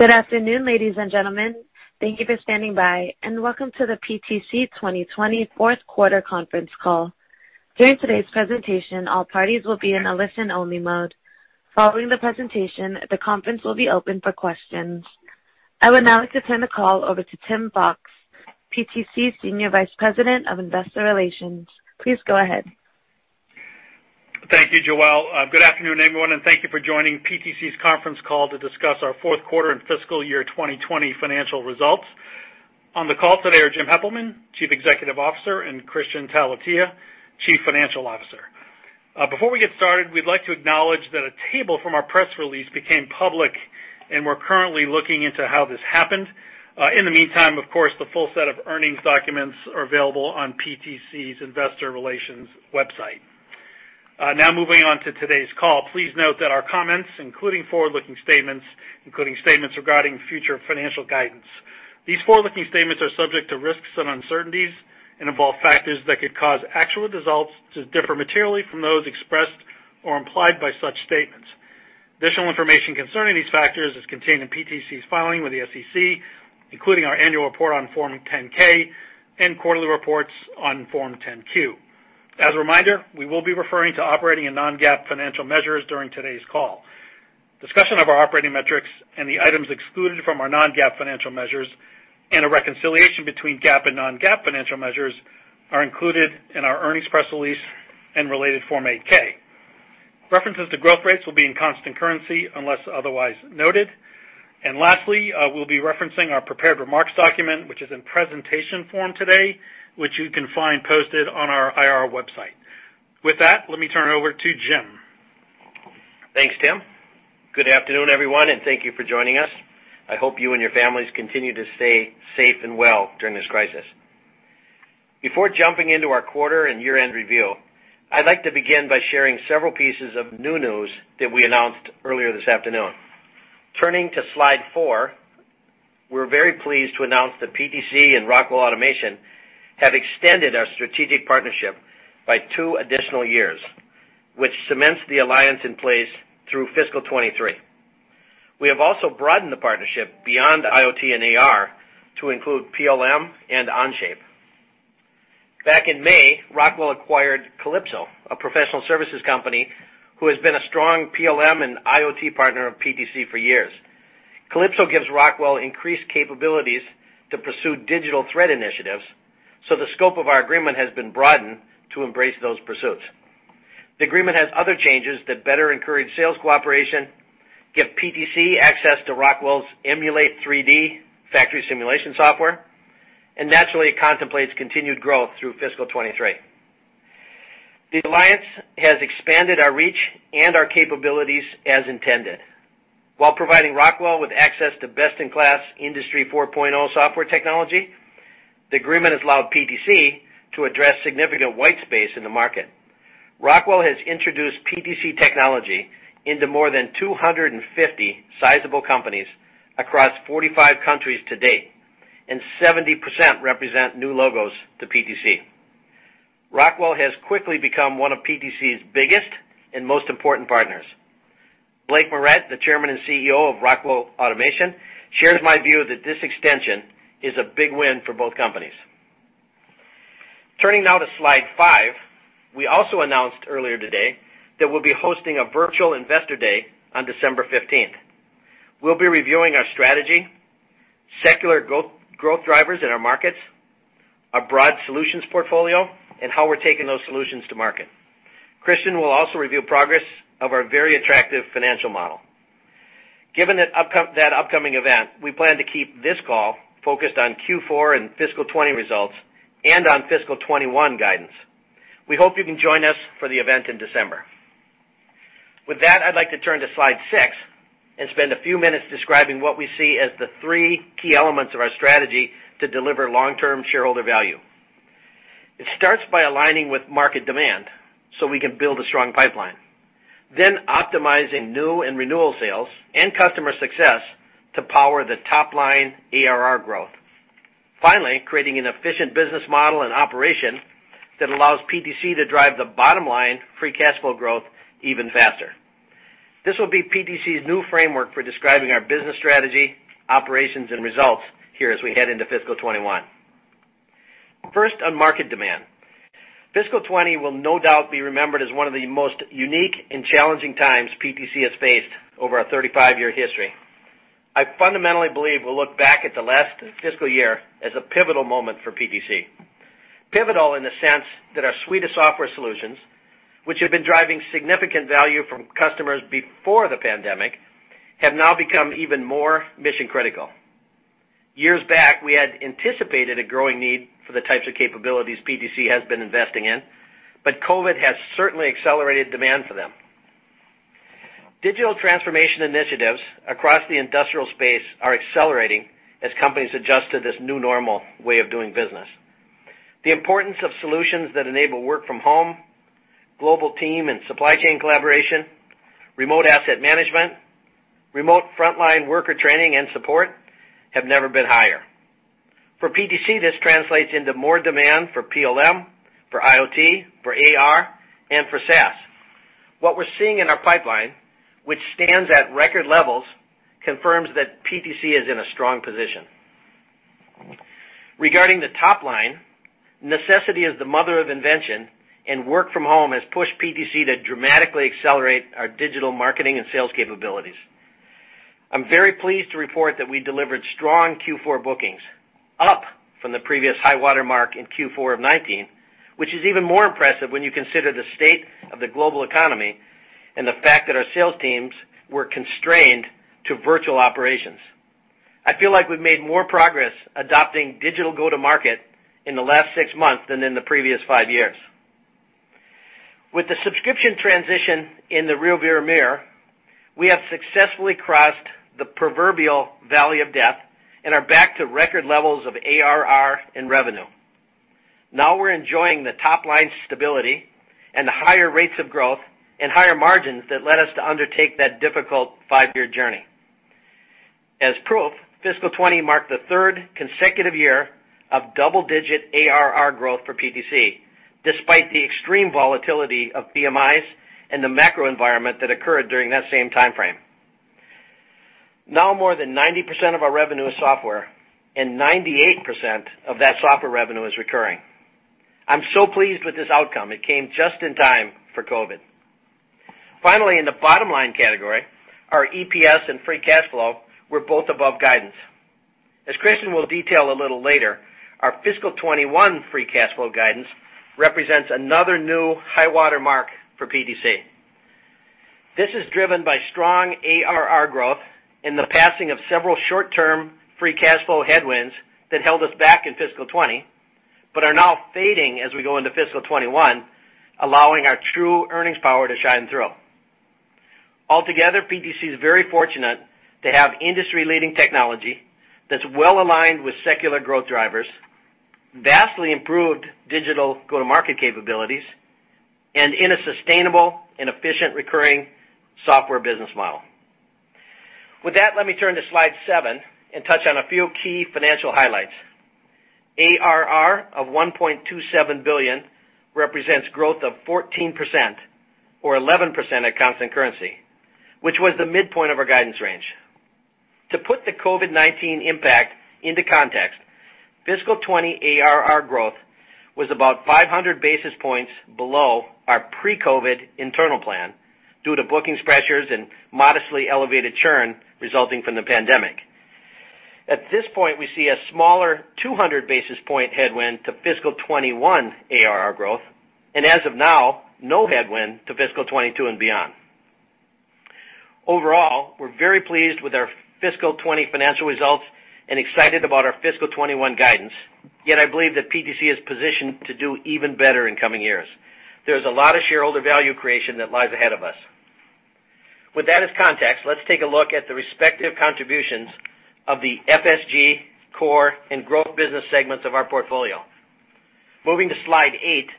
Good afternoon, ladies and gentlemen. Thank you for standing by, and welcome to the PTC 2020 fourth quarter conference call. During today's presentation, all parties will be in a listen-only mode. Following the presentation, the conference will be open for questions. I would now like to turn the call over to Tim Fox, PTC's Senior Vice President of Investor Relations. Please go ahead. Thank you, Joelle. Good afternoon, everyone, and thank you for joining PTC's conference call to discuss our fourth quarter and fiscal year 2020 financial results. On the call today are Jim Heppelmann, Chief Executive Officer, and Kristian Talvitie, Chief Financial Officer. Before we get started, we'd like to acknowledge that a table from our press release became public, and we're currently looking into how this happened. In the meantime, of course, the full set of earnings documents are available on PTC's investor relations website. Moving on to today's call. Please note that our comments, including forward-looking statements, including statements regarding future financial guidance. These forward-looking statements are subject to risks and uncertainties and involve factors that could cause actual results to differ materially from those expressed or implied by such statements. Additional information concerning these factors is contained in PTC's filing with the SEC, including our annual report on Form 10-K and quarterly reports on Form 10-Q. As a reminder, we will be referring to operating and non-GAAP financial measures during today's call. Discussion of our operating metrics and the items excluded from our non-GAAP financial measures, and a reconciliation between GAAP and non-GAAP financial measures are included in our earnings press release and related Form 8-K. References to growth rates will be in constant currency unless otherwise noted. Lastly, we'll be referencing our prepared remarks document, which is in presentation form today, which you can find posted on our IR website. With that, let me turn it over to Jim. Thanks, Tim. Good afternoon, everyone, thank you for joining us. I hope you and your families continue to stay safe and well during this crisis. Before jumping into our quarter and year-end review, I'd like to begin by sharing several pieces of new news that we announced earlier this afternoon. Turning to slide four, we're very pleased to announce that PTC and Rockwell Automation have extended our strategic partnership by two additional years, which cements the alliance in place through fiscal 2023. We have also broadened the partnership beyond IoT and AR to include PLM and Onshape. Back in May, Rockwell acquired Kalypso, a professional services company who has been a strong PLM and IoT partner of PTC for years. Kalypso gives Rockwell increased capabilities to pursue digital thread initiatives, the scope of our agreement has been broadened to embrace those pursuits. The agreement has other changes that better encourage sales cooperation, give PTC access to Rockwell's Emulate3D factory simulation software, and naturally, it contemplates continued growth through fiscal 2023. The alliance has expanded our reach and our capabilities as intended. While providing Rockwell with access to best-in-class Industry 4.0 software technology, the agreement has allowed PTC to address significant white space in the market. Rockwell has introduced PTC technology into more than 250 sizable companies across 45 countries to date, and 70% represent new logos to PTC. Rockwell has quickly become one of PTC's biggest and most important partners. Blake Moret, the Chairman and CEO of Rockwell Automation, shares my view that this extension is a big win for both companies. Turning now to slide five. We also announced earlier today that we'll be hosting a virtual Investor Day on December 15th. We'll be reviewing our strategy, secular growth drivers in our markets, our broad solutions portfolio, and how we're taking those solutions to market. Kristian will also review progress of our very attractive financial model. Given that upcoming event, we plan to keep this call focused on Q4 and fiscal 2020 results and on fiscal 2021 guidance. We hope you can join us for the event in December. With that, I'd like to turn to slide six and spend a few minutes describing what we see as the three key elements of our strategy to deliver long-term shareholder value. It starts by aligning with market demand so we can build a strong pipeline. Optimizing new and renewal sales and customer success to power the top-line ARR growth. Creating an efficient business model and operation that allows PTC to drive the bottom-line free cash flow growth even faster. This will be PTC's new framework for describing our business strategy, operations, and results here as we head into fiscal 2021. First, on market demand. Fiscal 2020 will no doubt be remembered as one of the most unique and challenging times PTC has faced over our 35-year history. I fundamentally believe we'll look back at the last fiscal year as a pivotal moment for PTC. Pivotal in the sense that our suite of software solutions, which have been driving significant value from customers before the pandemic, have now become even more mission-critical. Years back, we had anticipated a growing need for the types of capabilities PTC has been investing in, but COVID-19 has certainly accelerated demand for them. Digital transformation initiatives across the industrial space are accelerating as companies adjust to this new normal way of doing business. The importance of solutions that enable work from home, global team and supply chain collaboration, remote asset management, remote frontline worker training and support have never been higher. For PTC, this translates into more demand for PLM, for IoT, for AR, and for SaaS. What we're seeing in our pipeline, which stands at record levels, confirms that PTC is in a strong position. Regarding the top line, necessity is the mother of invention, Work from home has pushed PTC to dramatically accelerate our digital marketing and sales capabilities. I'm very pleased to report that we delivered strong Q4 bookings, up from the previous high water mark in Q4 of 2019, which is even more impressive when you consider the state of the global economy and the fact that our sales teams were constrained to virtual operations. I feel like we've made more progress adopting digital go-to-market in the last six months than in the previous five years. With the subscription transition in the rear-view mirror, we have successfully crossed the proverbial valley of death and are back to record levels of ARR and revenue. We're enjoying the top-line stability and the higher rates of growth and higher margins that led us to undertake that difficult five-year journey. As proof, fiscal 2020 marked the third consecutive year of double-digit ARR growth for PTC, despite the extreme volatility of PMIs and the macro environment that occurred during that same timeframe. More than 90% of our revenue is software, and 98% of that software revenue is recurring. I'm so pleased with this outcome. It came just in time for COVID. Finally, in the bottom-line category, our EPS and free cash flow were both above guidance. As Kristian will detail a little later, our fiscal 2021 free cash flow guidance represents another new high water mark for PTC. This is driven by strong ARR growth and the passing of several short-term free cash flow headwinds that held us back in fiscal 2020, but are now fading as we go into fiscal 2021, allowing our true earnings power to shine through. Altogether, PTC's very fortunate to have industry-leading technology that's well-aligned with secular growth drivers, vastly improved digital go-to-market capabilities, and in a sustainable and efficient recurring software business model. With that, let me turn to slide seven and touch on a few key financial highlights. ARR of $1.27 billion represents growth of 14%, or 11% at constant currency, which was the midpoint of our guidance range. To put the COVID-19 impact into context, fiscal 2020 ARR growth was about 500 basis points below our pre-COVID internal plan due to bookings pressures and modestly elevated churn resulting from the pandemic. At this point, we see a smaller 200 basis point headwind to fiscal 2021 ARR growth. As of now, no headwind to fiscal 2022 and beyond. Overall, we're very pleased with our fiscal 2020 financial results and excited about our fiscal 2021 guidance. I believe that PTC is positioned to do even better in coming years. There's a lot of shareholder value creation that lies ahead of us. With that as context, let's take a look at the respective contributions of the FSG, core, and growth business segments of our portfolio. Moving to slide eight,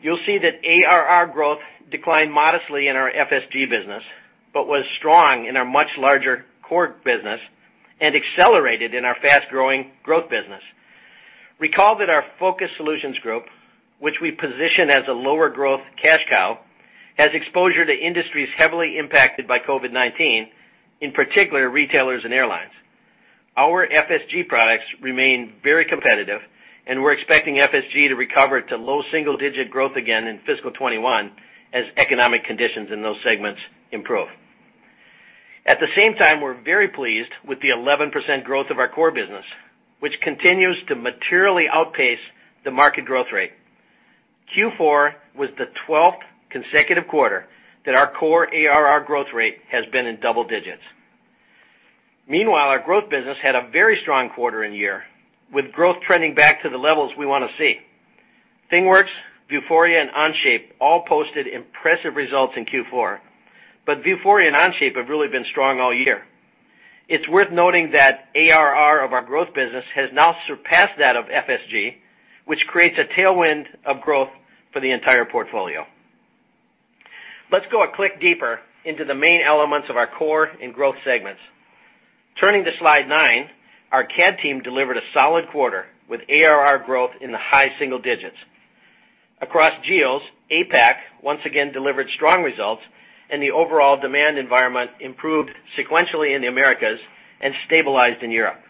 you'll see that ARR growth declined modestly in our FSG business but was strong in our much larger core business and accelerated in our fast-growing growth business. Recall that our Focused Solutions Group, which we position as a lower growth cash cow, has exposure to industries heavily impacted by COVID-19, in particular, retailers and airlines. Our FSG products remain very competitive, and we're expecting FSG to recover to low single-digit growth again in fiscal 2021 as economic conditions in those segments improve. At the same time, we're very pleased with the 11% growth of our core business, which continues to materially outpace the market growth rate. Q4 was the 12th consecutive quarter that our core ARR growth rate has been in double digits. Meanwhile, our growth business had a very strong quarter and year, with growth trending back to the levels we want to see. ThingWorx, Vuforia, and Onshape all posted impressive results in Q4. Vuforia and Onshape have really been strong all year. It's worth noting that ARR of our growth business has now surpassed that of FSG, which creates a tailwind of growth for the entire portfolio. Let's go a click deeper into the main elements of our core and growth segments. Turning to slide nine, our CAD team delivered a solid quarter with ARR growth in the high single digits. Across geos, APAC once again delivered strong results. The overall demand environment improved sequentially in the Americas and stabilized in Europe.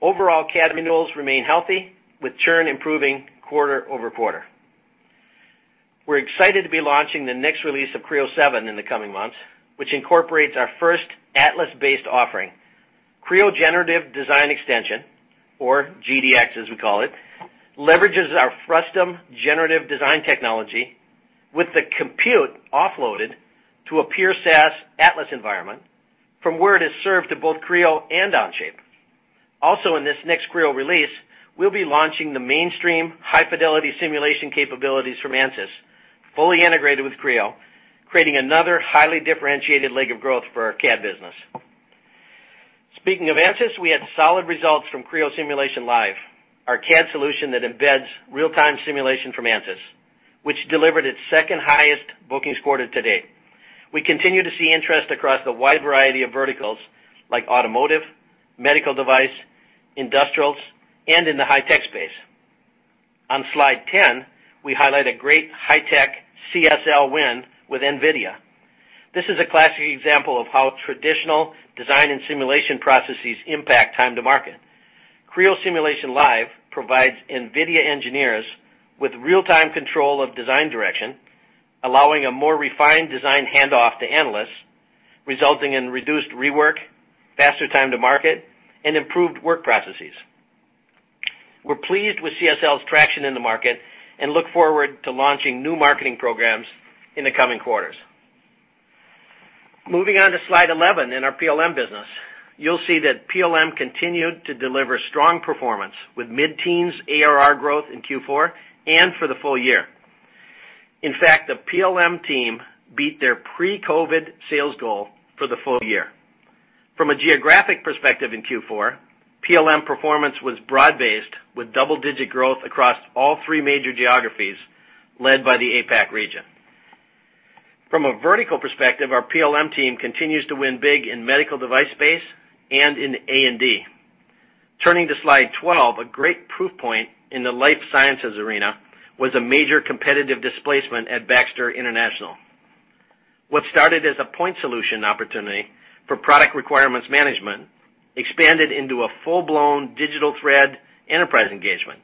Overall CAD renewals remain healthy, with churn improving quarter-over-quarter. We're excited to be launching the next release of Creo 7.0 In the coming months, which incorporates our first Atlas-based offering. Creo Generative Design Extension, or GDX as we call it, leverages our Frustum generative design technology with the compute offloaded to a pure SaaS Atlas environment, from where it is served to both Creo and Onshape. In this next Creo release, we'll be launching the mainstream high-fidelity simulation capabilities from Ansys, fully integrated with Creo, creating another highly differentiated leg of growth for our CAD business. Speaking of Ansys, we had solid results from Creo Simulation Live, our CAD solution that embeds real-time simulation from Ansys, which delivered its second highest bookings quarter to date. We continue to see interest across the wide variety of verticals like automotive, medical device, industrials, and in the high-tech space. On slide 10, we highlight a great high-tech CSL win with NVIDIA. This is a classic example of how traditional design and simulation processes impact time to market. Creo Simulation Live provides NVIDIA engineers with real-time control of design direction, allowing a more refined design handoff to analysts, resulting in reduced rework, faster time to market, and improved work processes. We're pleased with CSL's traction in the market and look forward to launching new marketing programs in the coming quarters. Moving on to slide 11 in our PLM business, you'll see that PLM continued to deliver strong performance with mid-teens ARR growth in Q4 and for the full year. In fact, the PLM team beat their pre-COVID sales goal for the full year. From a geographic perspective in Q4, PLM performance was broad-based with double-digit growth across all three major geographies, led by the APAC region. From a vertical perspective, our PLM team continues to win big in medical device space and in A&D. Turning to slide 12, a great proof point in the life sciences arena was a major competitive displacement at Baxter International. What started as a point solution opportunity for product requirements management expanded into a full-blown digital thread enterprise engagement.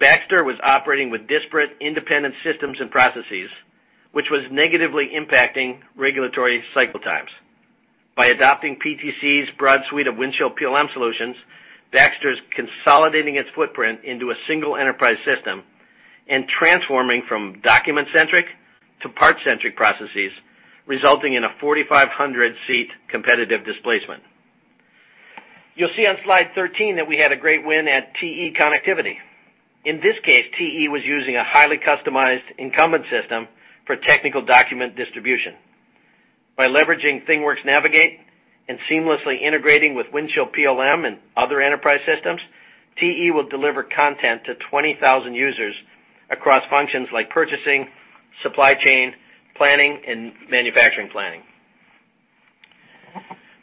Baxter was operating with disparate independent systems and processes, which was negatively impacting regulatory cycle times. By adopting PTC's broad suite of Windchill PLM solutions, Baxter's consolidating its footprint into a single enterprise system and transforming from document-centric to part-centric processes, resulting in a 4,500-seat competitive displacement. You'll see on slide 13 that we had a great win at TE Connectivity. In this case, TE was using a highly customized incumbent system for technical document distribution. By leveraging ThingWorx Navigate and seamlessly integrating with Windchill PLM and other enterprise systems, TE will deliver content to 20,000 users across functions like purchasing, supply chain, planning, and manufacturing planning.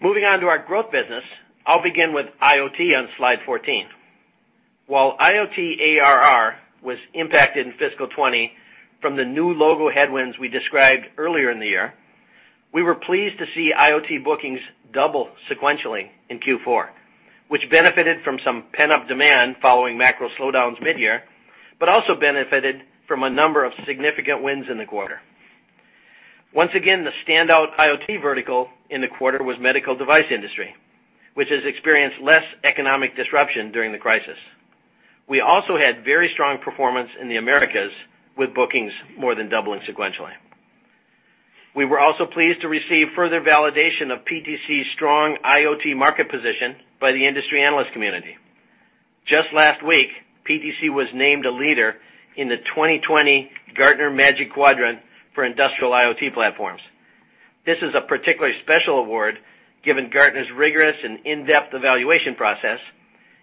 Moving on to our growth business, I'll begin with IoT on slide 14. While IoT ARR was impacted in fiscal 2020 from the new logo headwinds we described earlier in the year, we were pleased to see IoT bookings double sequentially in Q4, which benefited from some pent-up demand following macro slowdowns mid-year, but also benefited from a number of significant wins in the quarter. Once again, the standout IoT vertical in the quarter was medical device industry, which has experienced less economic disruption during the crisis. We also had very strong performance in the Americas with bookings more than doubling sequentially. We were also pleased to receive further validation of PTC's strong IoT market position by the industry analyst community. Just last week, PTC was named a leader in the 2020 Gartner Magic Quadrant for Industrial IoT Platforms. This is a particularly special award, given Gartner's rigorous and in-depth evaluation process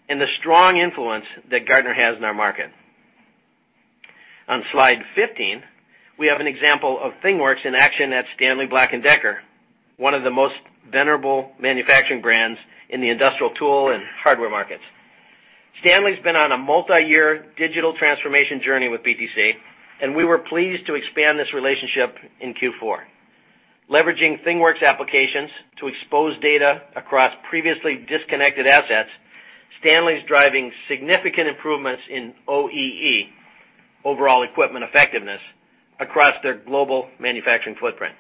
and the strong influence that Gartner has in our market. On slide 15, we have an example of ThingWorx in action at Stanley Black & Decker, one of the most venerable manufacturing brands in the industrial tool and hardware markets. Stanley's been on a multi-year digital transformation journey with PTC, and we were pleased to expand this relationship in Q4. Leveraging ThingWorx applications to expose data across previously disconnected assets, Stanley's driving significant improvements in OEE, overall equipment effectiveness, across their global manufacturing footprint.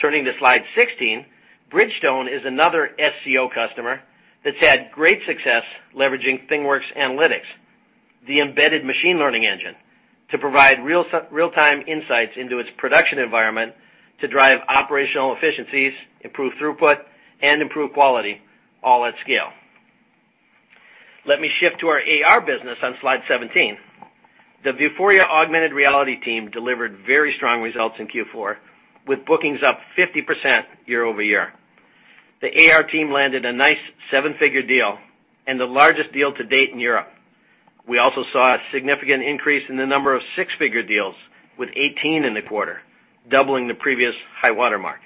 Turning to slide 16, Bridgestone is another SCO customer that's had great success leveraging ThingWorx analytics, the embedded machine learning engine, to provide real-time insights into its production environment to drive operational efficiencies, improve throughput, and improve quality, all at scale. Let me shift to our AR business on slide 17. The Vuforia augmented reality team delivered very strong results in Q4, with bookings up 50% year-over-year. The AR team landed a nice seven-figure deal and the largest deal to date in Europe. We also saw a significant increase in the number of six-figure deals, with 18 in the quarter, doubling the previous high-water mark.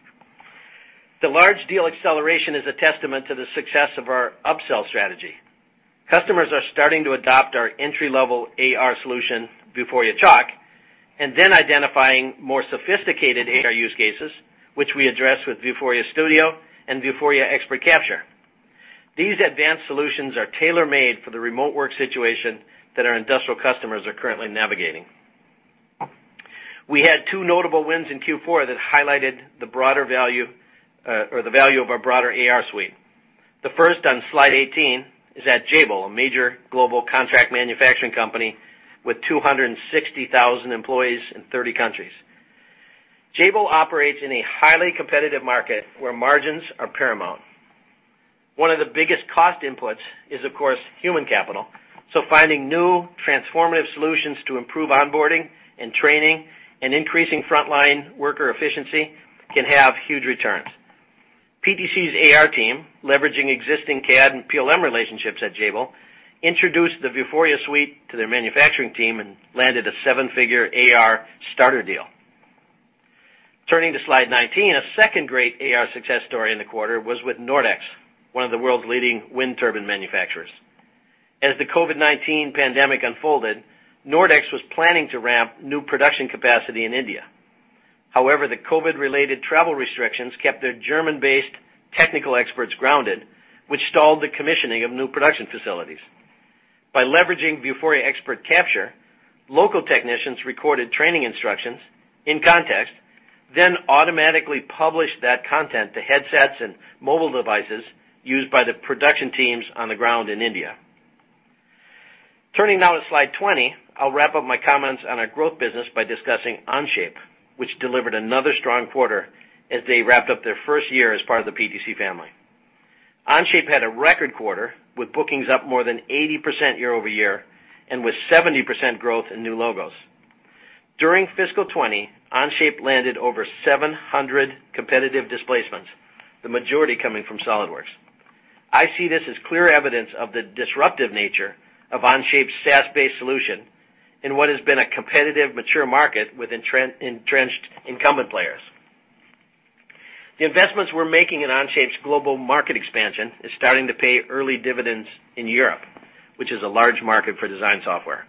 The large deal acceleration is a testament to the success of our upsell strategy. Customers are starting to adopt our entry-level AR solution, Vuforia Chalk, and then identifying more sophisticated AR use cases, which we address with Vuforia Studio and Vuforia Expert Capture. These advanced solutions are tailor-made for the remote work situation that our industrial customers are currently navigating. We had two notable wins in Q4 that highlighted the value of our broader AR suite. The first on slide 18 is at Jabil, a major global contract manufacturing company with 260,000 employees in 30 countries. Jabil operates in a highly competitive market where margins are paramount. One of the biggest cost inputs is, of course, human capital, so finding new transformative solutions to improve onboarding and training and increasing frontline worker efficiency can have huge returns. PTC's AR team, leveraging existing CAD and PLM relationships at Jabil, introduced the Vuforia suite to their manufacturing team and landed a seven-figure AR starter deal. Turning to slide 19, a second great AR success story in the quarter was with Nordex, one of the world's leading wind turbine manufacturers. As the COVID-19 pandemic unfolded, Nordex was planning to ramp new production capacity in India. However, the COVID-related travel restrictions kept their German-based technical experts grounded, which stalled the commissioning of new production facilities. By leveraging Vuforia Expert Capture, local technicians recorded training instructions in context, then automatically published that content to headsets and mobile devices used by the production teams on the ground in India. Turning now to slide 20, I'll wrap up my comments on our growth business by discussing Onshape, which delivered another strong quarter as they wrapped up their first year as part of the PTC family. Onshape had a record quarter, with bookings up more than 80% year-over-year and with 70% growth in new logos. During fiscal 2020, Onshape landed over 700 competitive displacements, the majority coming from SOLIDWORKS. I see this as clear evidence of the disruptive nature of Onshape's SaaS-based solution in what has been a competitive, mature market with entrenched incumbent players. The investments we're making in Onshape's global market expansion is starting to pay early dividends in Europe, which is a large market for design software.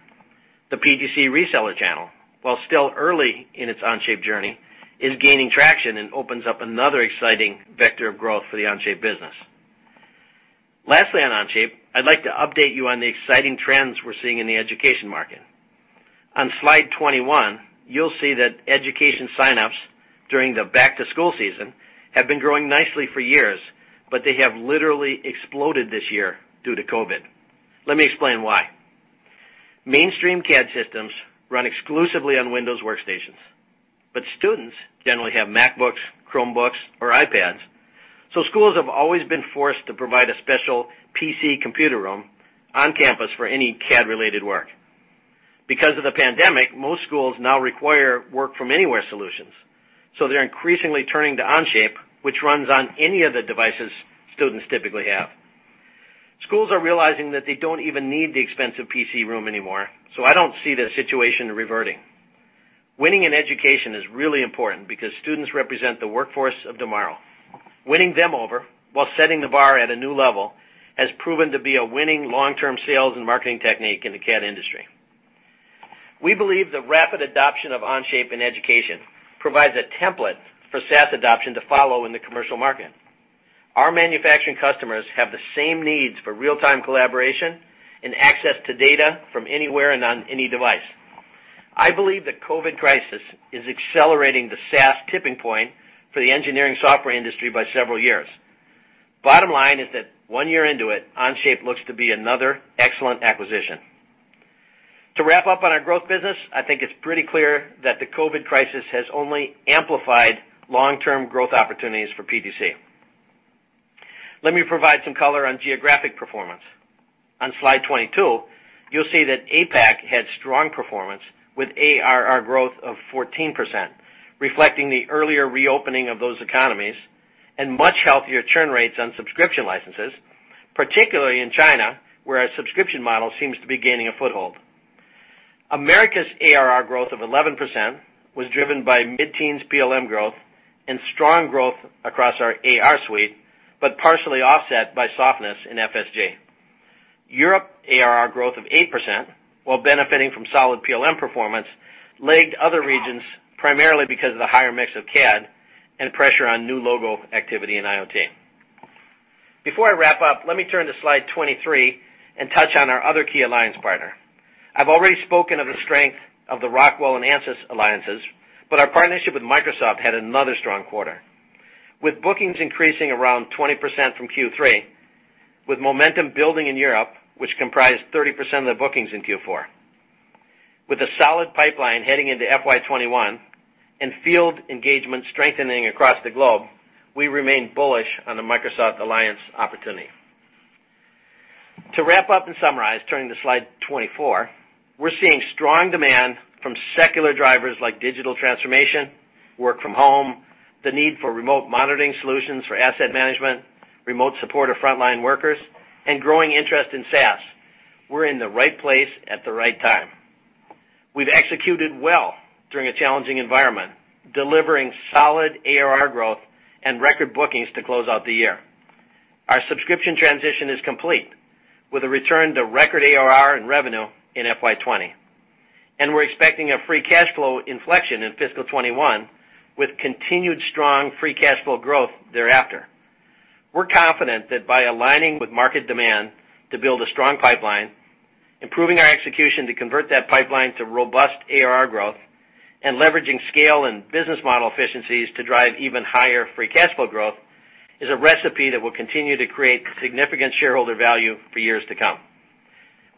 The PTC reseller channel, while still early in its Onshape journey, is gaining traction and opens up another exciting vector of growth for the Onshape business. Lastly, on Onshape, I'd like to update you on the exciting trends we're seeing in the education market. On slide 21, you'll see that education sign-ups during the back-to-school season have been growing nicely for years, but they have literally exploded this year due to COVID. Let me explain why. Mainstream CAD systems run exclusively on Windows workstations. Students generally have MacBooks, Chromebooks, or iPads, so schools have always been forced to provide a special PC computer room on campus for any CAD-related work. Because of the pandemic, most schools now require work from anywhere solutions, so they're increasingly turning to Onshape, which runs on any of the devices students typically have. Schools are realizing that they don't even need the expensive PC room anymore, so I don't see the situation reverting. Winning in education is really important because students represent the workforce of tomorrow. Winning them over while setting the bar at a new level has proven to be a winning long-term sales and marketing technique in the CAD industry. We believe the rapid adoption of Onshape in education provides a template for SaaS adoption to follow in the commercial market. Our manufacturing customers have the same needs for real-time collaboration and access to data from anywhere and on any device. I believe the COVID crisis is accelerating the SaaS tipping point for the engineering software industry by several years. Bottom line is that one year into it, Onshape looks to be another excellent acquisition. To wrap up on our growth business, I think it's pretty clear that the COVID crisis has only amplified long-term growth opportunities for PTC. Let me provide some color on geographic performance. On slide 22, you'll see that APAC had strong performance with ARR growth of 14%, reflecting the earlier reopening of those economies and much healthier churn rates on subscription licenses, particularly in China, where our subscription model seems to be gaining a foothold. America's ARR growth of 11% was driven by mid-teens PLM growth and strong growth across our AR suite, partially offset by softness in FSG. Europe ARR growth of 8%, while benefiting from solid PLM performance, lagged other regions primarily because of the higher mix of CAD and pressure on new logo activity in IoT. Before I wrap up, let me turn to slide 23 and touch on our other key alliance partner. I've already spoken of the strength of the Rockwell and Ansys alliances, but our partnership with Microsoft had another strong quarter, with bookings increasing around 20% from Q3, with momentum building in Europe, which comprised 30% of the bookings in Q4. With a solid pipeline heading into FY 2021 and field engagement strengthening across the globe, we remain bullish on the Microsoft Alliance opportunity. To wrap up and summarize, turning to slide 24, we're seeing strong demand from secular drivers like digital transformation, work from home, the need for remote monitoring solutions for asset management, remote support of frontline workers, and growing interest in SaaS. We're in the right place at the right time. We've executed well during a challenging environment, delivering solid ARR growth and record bookings to close out the year. Our subscription transition is complete, with a return to record ARR and revenue in FY 2020. We're expecting a free cash flow inflection in fiscal 2021, with continued strong free cash flow growth thereafter. We're confident that by aligning with market demand to build a strong pipeline, improving our execution to convert that pipeline to robust ARR growth, and leveraging scale and business model efficiencies to drive even higher free cash flow growth is a recipe that will continue to create significant shareholder value for years to come.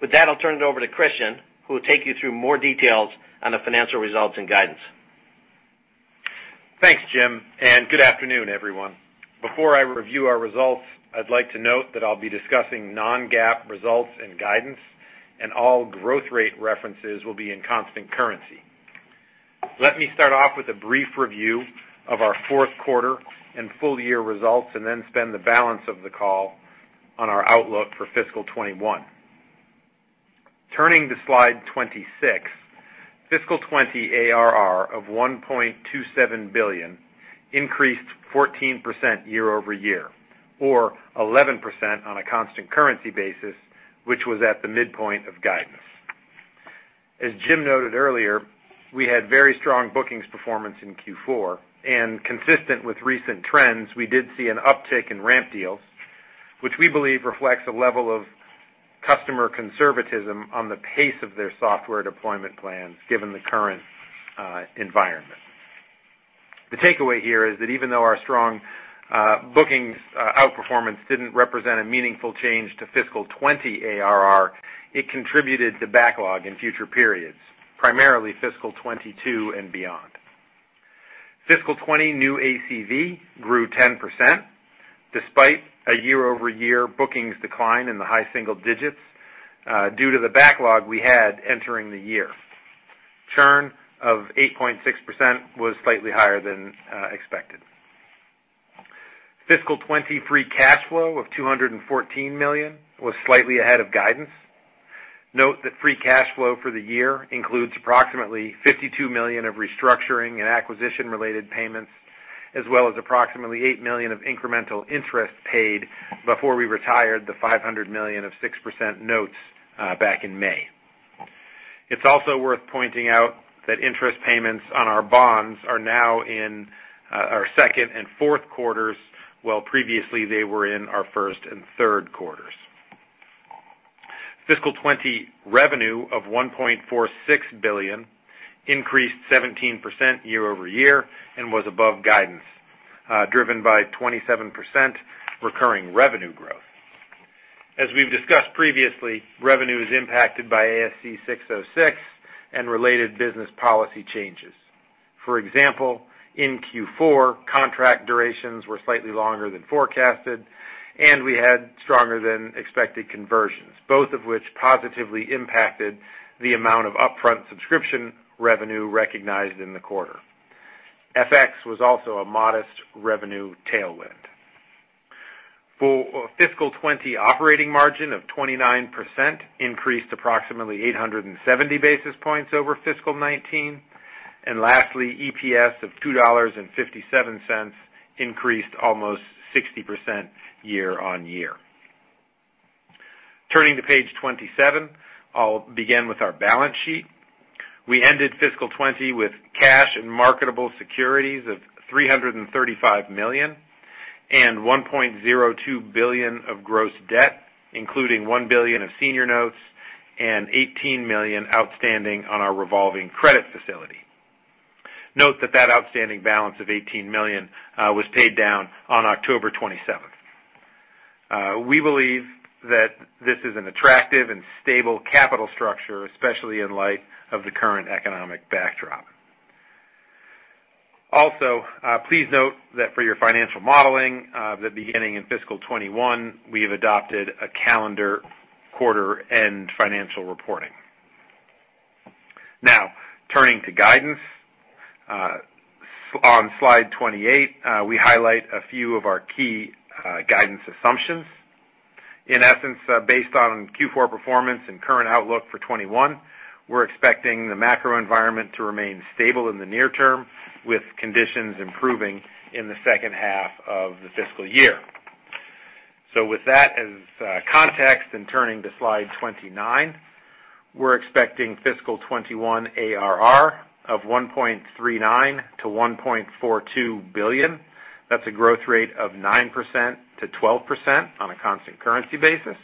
With that, I'll turn it over to Kristian, who will take you through more details on the financial results and guidance. Thanks, Jim, and good afternoon, everyone. Before I review our results, I'd like to note that I'll be discussing non-GAAP results and guidance, and all growth rate references will be in constant currency. Let me start off with a brief review of our fourth quarter and full year results, and then spend the balance of the call on our outlook for fiscal 2021. Turning to slide 26, fiscal 2020 ARR of $1.27 billion increased 14% year-over-year or 11% on a constant currency basis, which was at the midpoint of guidance. As Jim noted earlier, we had very strong bookings performance in Q4, and consistent with recent trends, we did see an uptick in ramp deals, which we believe reflects a level of customer conservatism on the pace of their software deployment plans given the current environment. The takeaway here is that even though our strong bookings outperformance didn't represent a meaningful change to fiscal 2020 ARR, it contributed to backlog in future periods, primarily fiscal 2022 and beyond. Fiscal 2020 new ACV grew 10%, despite a year-over-year bookings decline in the high single digits due to the backlog we had entering the year. Churn of 8.6% was slightly higher than expected. Fiscal 2020 free cash flow of $214 million was slightly ahead of guidance. Note that free cash flow for the year includes approximately $52 million of restructuring and acquisition related payments, as well as approximately $8 million of incremental interest paid before we retired the $500 million of 6% notes back in May. It's also worth pointing out that interest payments on our bonds are now in our second and fourth quarters, while previously they were in our first and third quarters. Fiscal 2020 revenue of $1.46 billion increased 17% year-over-year and was above guidance, driven by 27% recurring revenue growth. As we've discussed previously, revenue is impacted by ASC 606 and related business policy changes. For example, in Q4, contract durations were slightly longer than forecasted, and we had stronger than expected conversions, both of which positively impacted the amount of upfront subscription revenue recognized in the quarter. FX was also a modest revenue tailwind. For fiscal 2020 operating margin of 29% increased approximately 870 basis points over fiscal 2019. Lastly, EPS of $2.57 increased almost 60% year-on-year. Turning to page 27, I'll begin with our balance sheet. We ended fiscal 2020 with cash and marketable securities of $335 million and $1.02 billion of gross debt, including $1 billion of senior notes and $18 million outstanding on our revolving credit facility. Note that outstanding balance of $18 million was paid down on October 27th. We believe that this is an attractive and stable capital structure, especially in light of the current economic backdrop. Also, please note that for your financial modeling, beginning in fiscal 2021, we have adopted a calendar quarter and financial reporting. Now turning to guidance. On slide 28, we highlight a few of our key guidance assumptions. In essence, based on Q4 performance and current outlook for 2021, we're expecting the macro environment to remain stable in the near term, with conditions improving in the second half of the fiscal year. With that as context and turning to slide 29, we're expecting fiscal 2021 ARR of $1.39 billion-$1.42 billion. That's a growth rate of 9%-12% on a constant currency basis.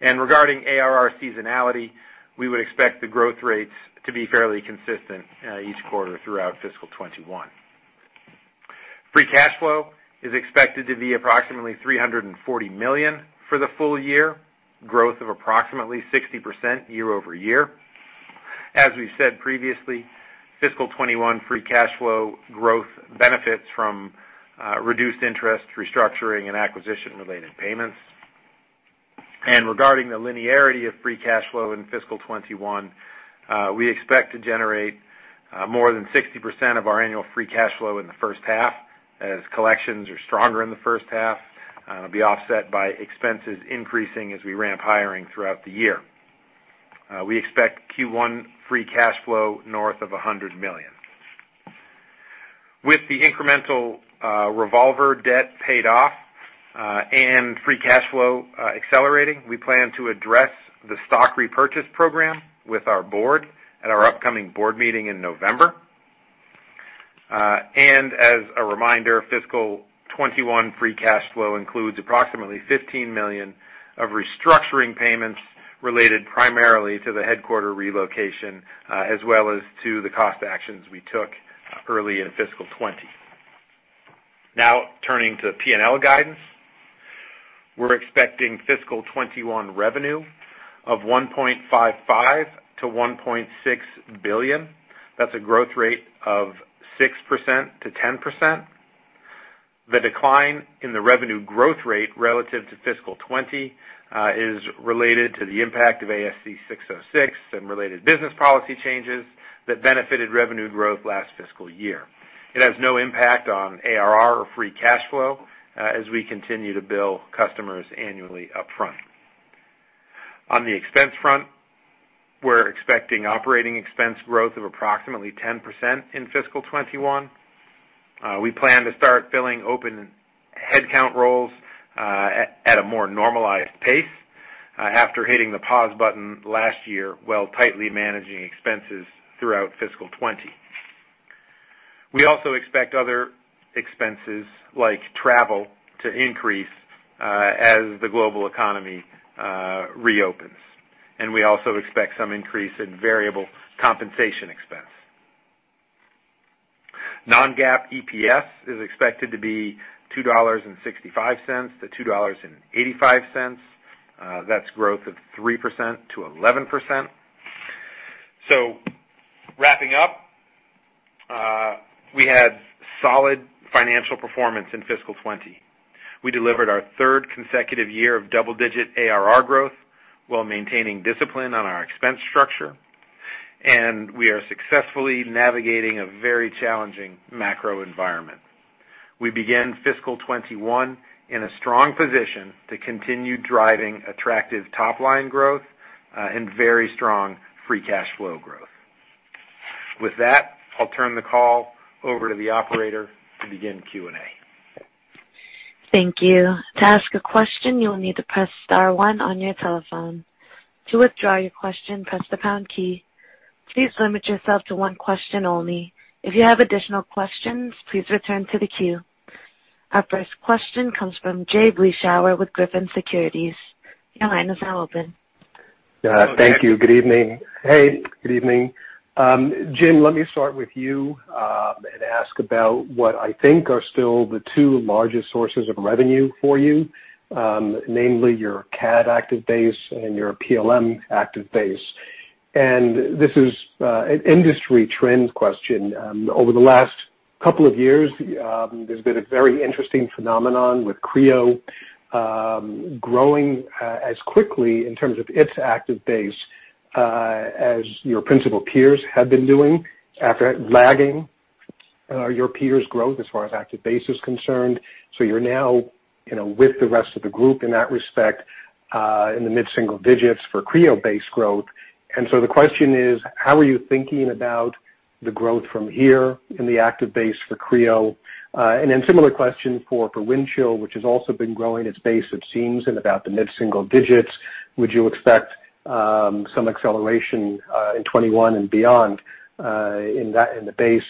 Regarding ARR seasonality, we would expect the growth rates to be fairly consistent each quarter throughout fiscal 2021. Free cash flow is expected to be approximately $340 million for the full year, growth of approximately 60% year-over-year. As we've said previously, fiscal 2021 free cash flow growth benefits from reduced interest restructuring and acquisition related payments. Regarding the linearity of free cash flow in fiscal 2021, we expect to generate more than 60% of our annual free cash flow in the first half, as collections are stronger in the first half, it'll be offset by expenses increasing as we ramp hiring throughout the year. We expect Q1 free cash flow north of $100 million. With the incremental revolver debt paid off, and free cash flow accelerating, we plan to address the stock repurchase program with our Board at our upcoming Board meeting in November. As a reminder, fiscal 2021 free cash flow includes approximately $15 million of restructuring payments related primarily to the headquarter relocation, as well as to the cost actions we took early in fiscal 2020. Turning to P&L guidance. We're expecting fiscal 2021 revenue of $1.55 billion-$1.6 billion. That's a growth rate of 6%-10%. The decline in the revenue growth rate relative to fiscal 2020 is related to the impact of ASC 606 and related business policy changes that benefited revenue growth last fiscal year. It has no impact on ARR or free cash flow as we continue to bill customers annually upfront. On the expense front, we're expecting operating expense growth of approximately 10% in fiscal 2021. We plan to start filling open headcount roles at a more normalized pace after hitting the pause button last year while tightly managing expenses throughout fiscal 2020. We also expect other expenses, like travel, to increase as the global economy reopens, and we also expect some increase in variable compensation expense. Non-GAAP EPS is expected to be $2.65-$2.85. That's growth of 3%-11%. Wrapping up, we had solid financial performance in fiscal 2020. We delivered our third consecutive year of double-digit ARR growth while maintaining discipline on our expense structure, and we are successfully navigating a very challenging macro environment. We began fiscal 2021 in a strong position to continue driving attractive top-line growth and very strong free cash flow growth. With that, I'll turn the call over to the operator to begin Q&A. Thank you. To ask a question, you'll need to press star one on your telephone. To withdraw your question, press the pound key. Please limit yourself to one question only. If you have additional questions, please return to the queue. Our first question comes from Jay Vleeschhouwer with Griffin Securities. Your line is now open. Yeah. Thank you. Good evening. Hey, good evening. Jim, let me start with you, and ask about what I think are still the two largest sources of revenue for you, namely your CAD active base and your PLM active base. This is an industry trends question. Over the last couple of years, there's been a very interesting phenomenon with Creo growing as quickly, in terms of its active base, as your principal peers have been doing after lagging your peers' growth as far as active base is concerned. So you're now with the rest of the group in that respect, in the mid-single digits for Creo base growth. The question is, how are you thinking about the growth from here in the active base for Creo? And then similar question for Windchill, which has also been growing its base, it seems, in about the mid-single digits. Would you expect some acceleration, in 2021 and beyond, in the base?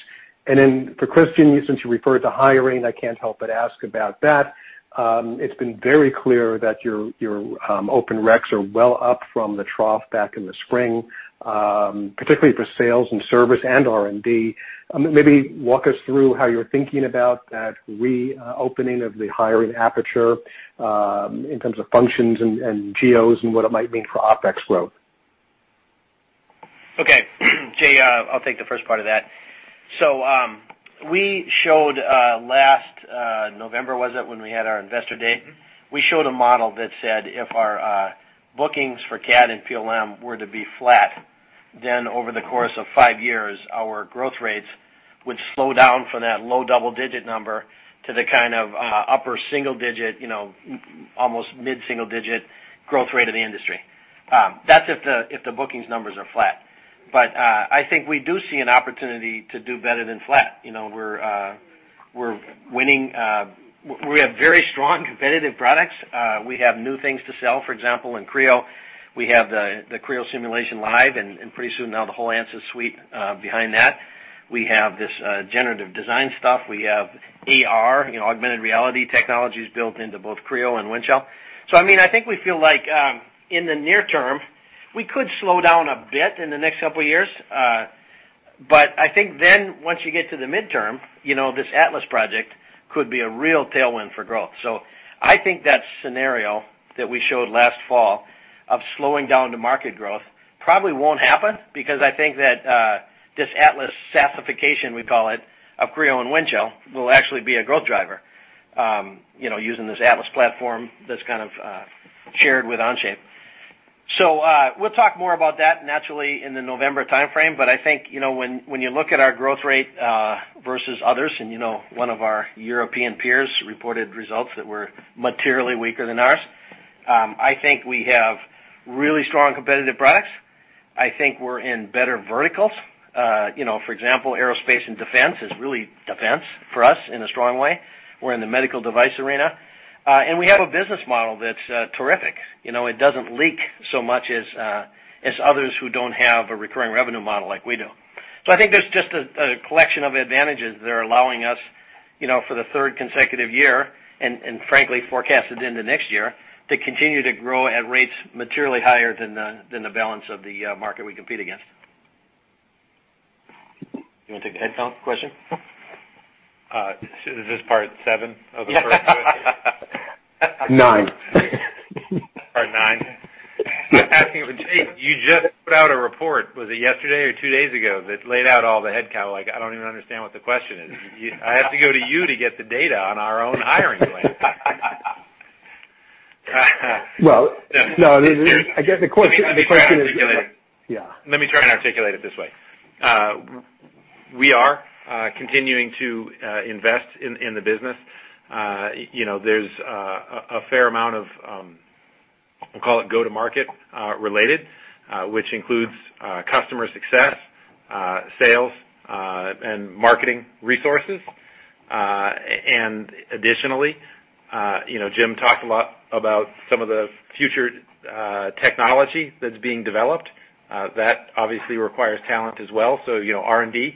For Kristian, since you referred to hiring, I can't help but ask about that. It's been very clear that your open reqs are well up from the trough back in the spring, particularly for sales and service and R&D. Maybe walk us through how you're thinking about that reopening of the hiring aperture, in terms of functions and geos and what it might mean for OpEx growth. Okay. Jay, I'll take the first part of that. We showed last November, was it, when we had our Investor Day? We showed a model that said if our bookings for CAD and PLM were to be flat, over the course of five years, our growth rates would slow down from that low double-digit number to the kind of upper single digit, almost mid-single digit growth rate of the industry. That's if the bookings numbers are flat. I think we do see an opportunity to do better than flat. We have very strong competitive products. We have new things to sell. For example, in Creo, we have the Creo Simulation Live, and pretty soon now the whole Ansys suite behind that. We have this generative design stuff. We have AR, augmented reality technologies built into both Creo and Windchill. I think we feel like, in the near term, we could slow down a bit in the next couple of years. I think then once you get to the midterm, this Atlas project could be a real tailwind for growth. I think that scenario that we showed last fall of slowing down to market growth probably won't happen because I think that this Atlas SaaSification, we call it, of Creo and Windchill will actually be a growth driver, using this Atlas platform that's kind of shared with Onshape. We'll talk more about that naturally in the November timeframe. I think, when you look at our growth rate versus others, and you know one of our European peers reported results that were materially weaker than ours. I think we have really strong competitive products. I think we're in better verticals. For example, aerospace and defense is really defense for us in a strong way. We're in the medical device arena. We have a business model that's terrific. It doesn't leak so much as others who don't have a recurring revenue model like we do. I think there's just a collection of advantages that are allowing us, for the third consecutive year, and frankly forecasted into next year, to continue to grow at rates materially higher than the balance of the market we compete against. You want to take the headcount question? Is this part seven of a series? Nine. Part nine? You just put out a report, was it yesterday or two days ago, that laid out all the head count. I don't even understand what the question is. I have to go to you to get the data on our own hiring plan. Well, no, I get. Let me try and articulate. Yeah. Let me try and articulate it this way. We are continuing to invest in the business. There's a fair amount of, we'll call it go-to-market related, which includes customer success, sales, and marketing resources. Additionally, Jim talked a lot about some of the future technology that's being developed. That obviously requires talent as well. R&D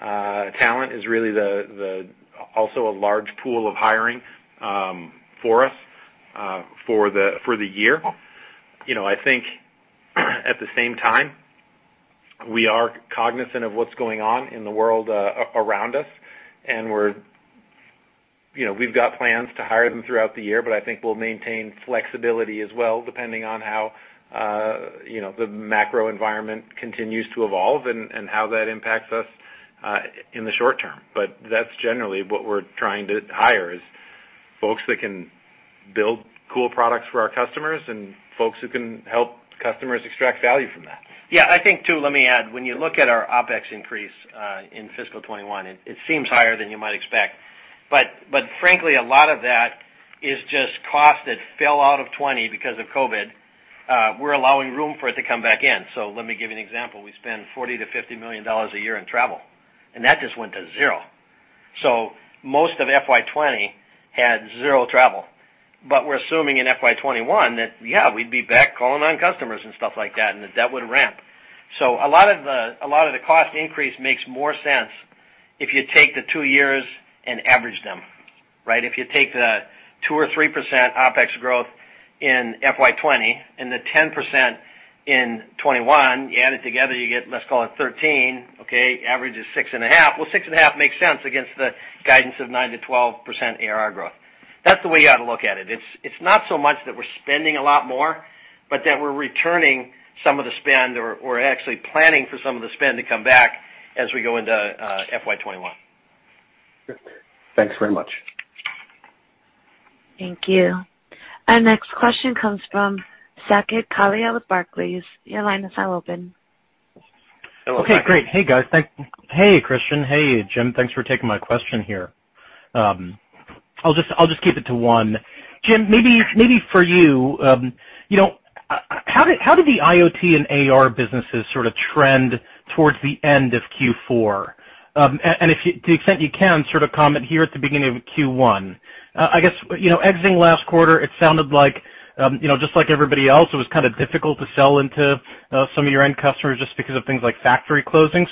talent is really also a large pool of hiring for us for the year. I think at the same time, we are cognizant of what's going on in the world around us, and we've got plans to hire them throughout the year, but I think we'll maintain flexibility as well, depending on how the macro environment continues to evolve and how that impacts us in the short term. That's generally what we're trying to hire, is folks that can build cool products for our customers and folks who can help customers extract value from that. I think too, let me add, when you look at our OpEx increase in fiscal 2021, it seems higher than you might expect. Frankly, a lot of that is just cost that fell out of 2020 because of COVID. We're allowing room for it to come back in. Let me give you an example. We spend $40 million-$50 million a year in travel, and that just went to zero. Most of FY 2020 had zero travel. We're assuming in FY 2021 that, yeah, we'd be back calling on customers and stuff like that, and that would ramp. A lot of the cost increase makes more sense if you take the two years and average them. Right? If you take the 2% or 3% OpEx growth in FY 2020 and the 10% in 2021, you add it together, you get, let's call it 13. Okay? Average is six and a half. Well, six and a half makes sense against the guidance of 9%-12% ARR growth. That's the way you ought to look at it. It's not so much that we're spending a lot more, but that we're returning some of the spend or actually planning for some of the spend to come back as we go into FY 2021. Great. Thanks very much. Thank you. Our next question comes from Saket Kalia with Barclays. Your line is now open. Hello. Okay, great. Hey, guys. Hey, Kristian. Hey, Jim. Thanks for taking my question here. I'll just keep it to one. Jim, maybe for you, how did the IoT and AR businesses sort of trend towards the end of Q4? To the extent you can, sort of comment here at the beginning of Q1. I guess, exiting last quarter, it sounded like just like everybody else, it was kind of difficult to sell into some of your end customers just because of things like factory closing.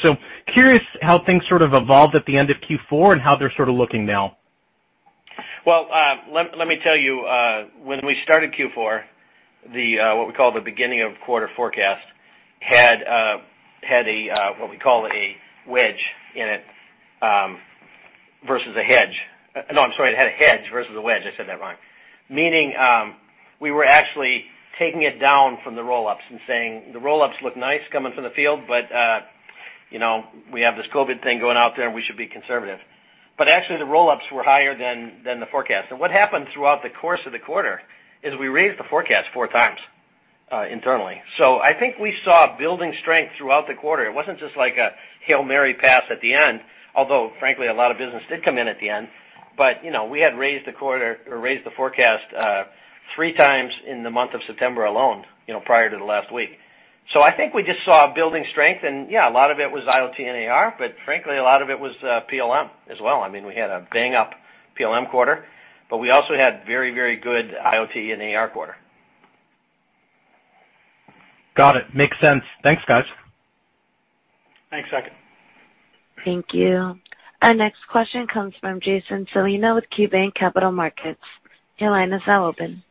Curious how things sort of evolved at the end of Q4 and how they're sort of looking now. Well, let me tell you, when we started Q4, what we call the beginning of quarter forecast, had what we call a wedge in it versus a hedge. No, I'm sorry. It had a hedge versus a wedge. I said that wrong. Meaning, we were actually taking it down from the roll-ups and saying, "The roll-ups look nice coming from the field, but we have this COVID thing going out there, and we should be conservative." Actually, the roll-ups were higher than the forecast. What happened throughout the course of the quarter is we raised the forecast 4x internally. I think we saw building strength throughout the quarter. It wasn't just like a Hail Mary pass at the end, although frankly, a lot of business did come in at the end. We had raised the forecast 3x in the month of September alone, prior to the last week. I think we just saw building strength, and yeah, a lot of it was IoT and AR, but frankly, a lot of it was PLM as well. We had a bang-up PLM quarter, but we also had very, very good IoT and AR quarter. Got it. Makes sense. Thanks, guys. Thanks, Saket. Thank you. Our next question comes from Jason Celino with KeyBanc Capital Markets. Your line is now open.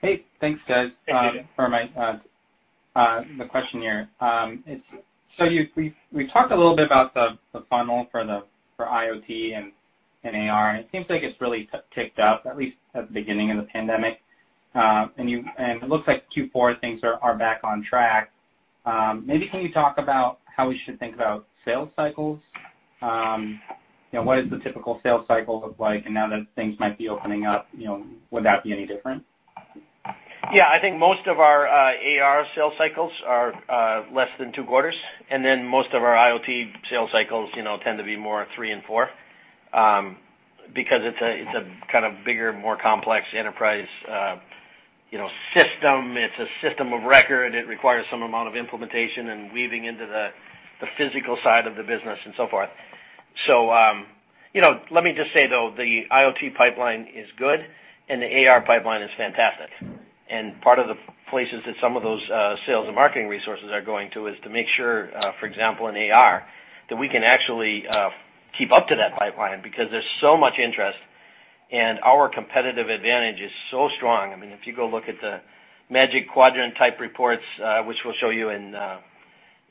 Hey, thanks, guys. Thank you. For my the question here. We talked a little bit about the funnel for IoT and AR, and it seems like it's really ticked up, at least at the beginning of the pandemic. It looks like Q4, things are back on track. Maybe can you talk about how we should think about sales cycles? What does the typical sales cycle look like? Now that things might be opening up, would that be any different? Yeah, I think most of our AR sales cycles are less than two quarters, and then most of our IoT sales cycles tend to be more three and four because it's a kind of bigger, more complex enterprise system. It's a system of record. It requires some amount of implementation and weaving into the physical side of the business and so forth. Let me just say, though, the IoT pipeline is good and the AR pipeline is fantastic. Part of the places that some of those sales and marketing resources are going to is to make sure, for example, in AR, that we can actually keep up to that pipeline because there's so much interest and our competitive advantage is so strong. If you go look at the Magic Quadrant type reports, which we'll show you in.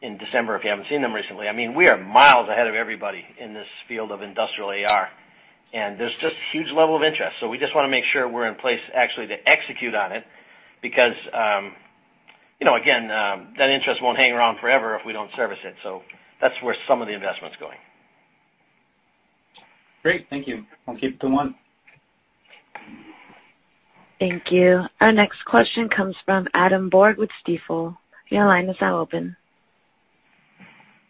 In December, if you haven't seen them recently, we are miles ahead of everybody in this field of industrial AR, and there's just huge level of interest. We just want to make sure we're in place actually to execute on it, because again, that interest won't hang around forever if we don't service it. That's where some of the investment's going. Great. Thank you. I'll keep it to one. Thank you. Our next question comes from Adam Borg with Stifel. Your line is now open.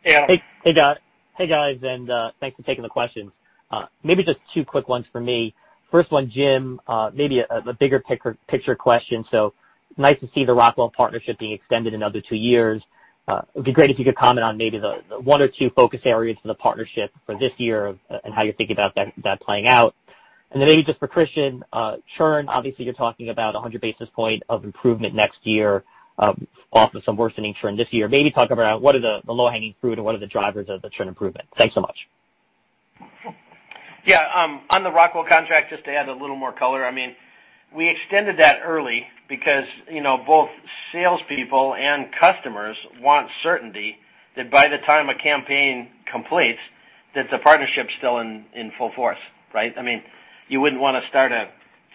Hey, guys, and thanks for taking the questions. Maybe just two quick ones for me. First one, Jim, maybe a bigger picture question. Nice to see the Rockwell partnership being extended another two years. It'd be great if you could comment on maybe the one or two focus areas for the partnership for this year and how you're thinking about that playing out. Maybe just for Kristian, churn, obviously, you're talking about 100 basis point of improvement next year off of some worsening churn this year. Maybe talk about what are the low-hanging fruit and what are the drivers of the churn improvement. Thanks so much. Yeah. On the Rockwell contract, just to add a little more color. We extended that early because both salespeople and customers want certainty that by the time a campaign completes, that the partnership's still in full force. Right? You wouldn't want to start a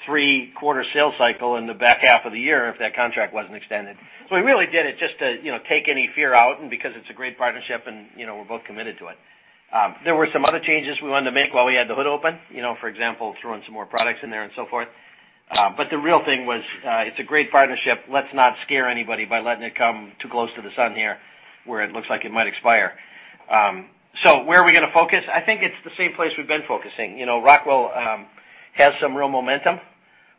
three-quarter sales cycle in the back half of the year if that contract wasn't extended. We really did it just to take any fear out and because it's a great partnership, and we're both committed to it. There were some other changes we wanted to make while we had the hood open. For example, throwing some more products in there and so forth. The real thing was, it's a great partnership, let's not scare anybody by letting it come too close to the sun here where it looks like it might expire. Where are we going to focus? I think it's the same place we've been focusing. Rockwell has some real momentum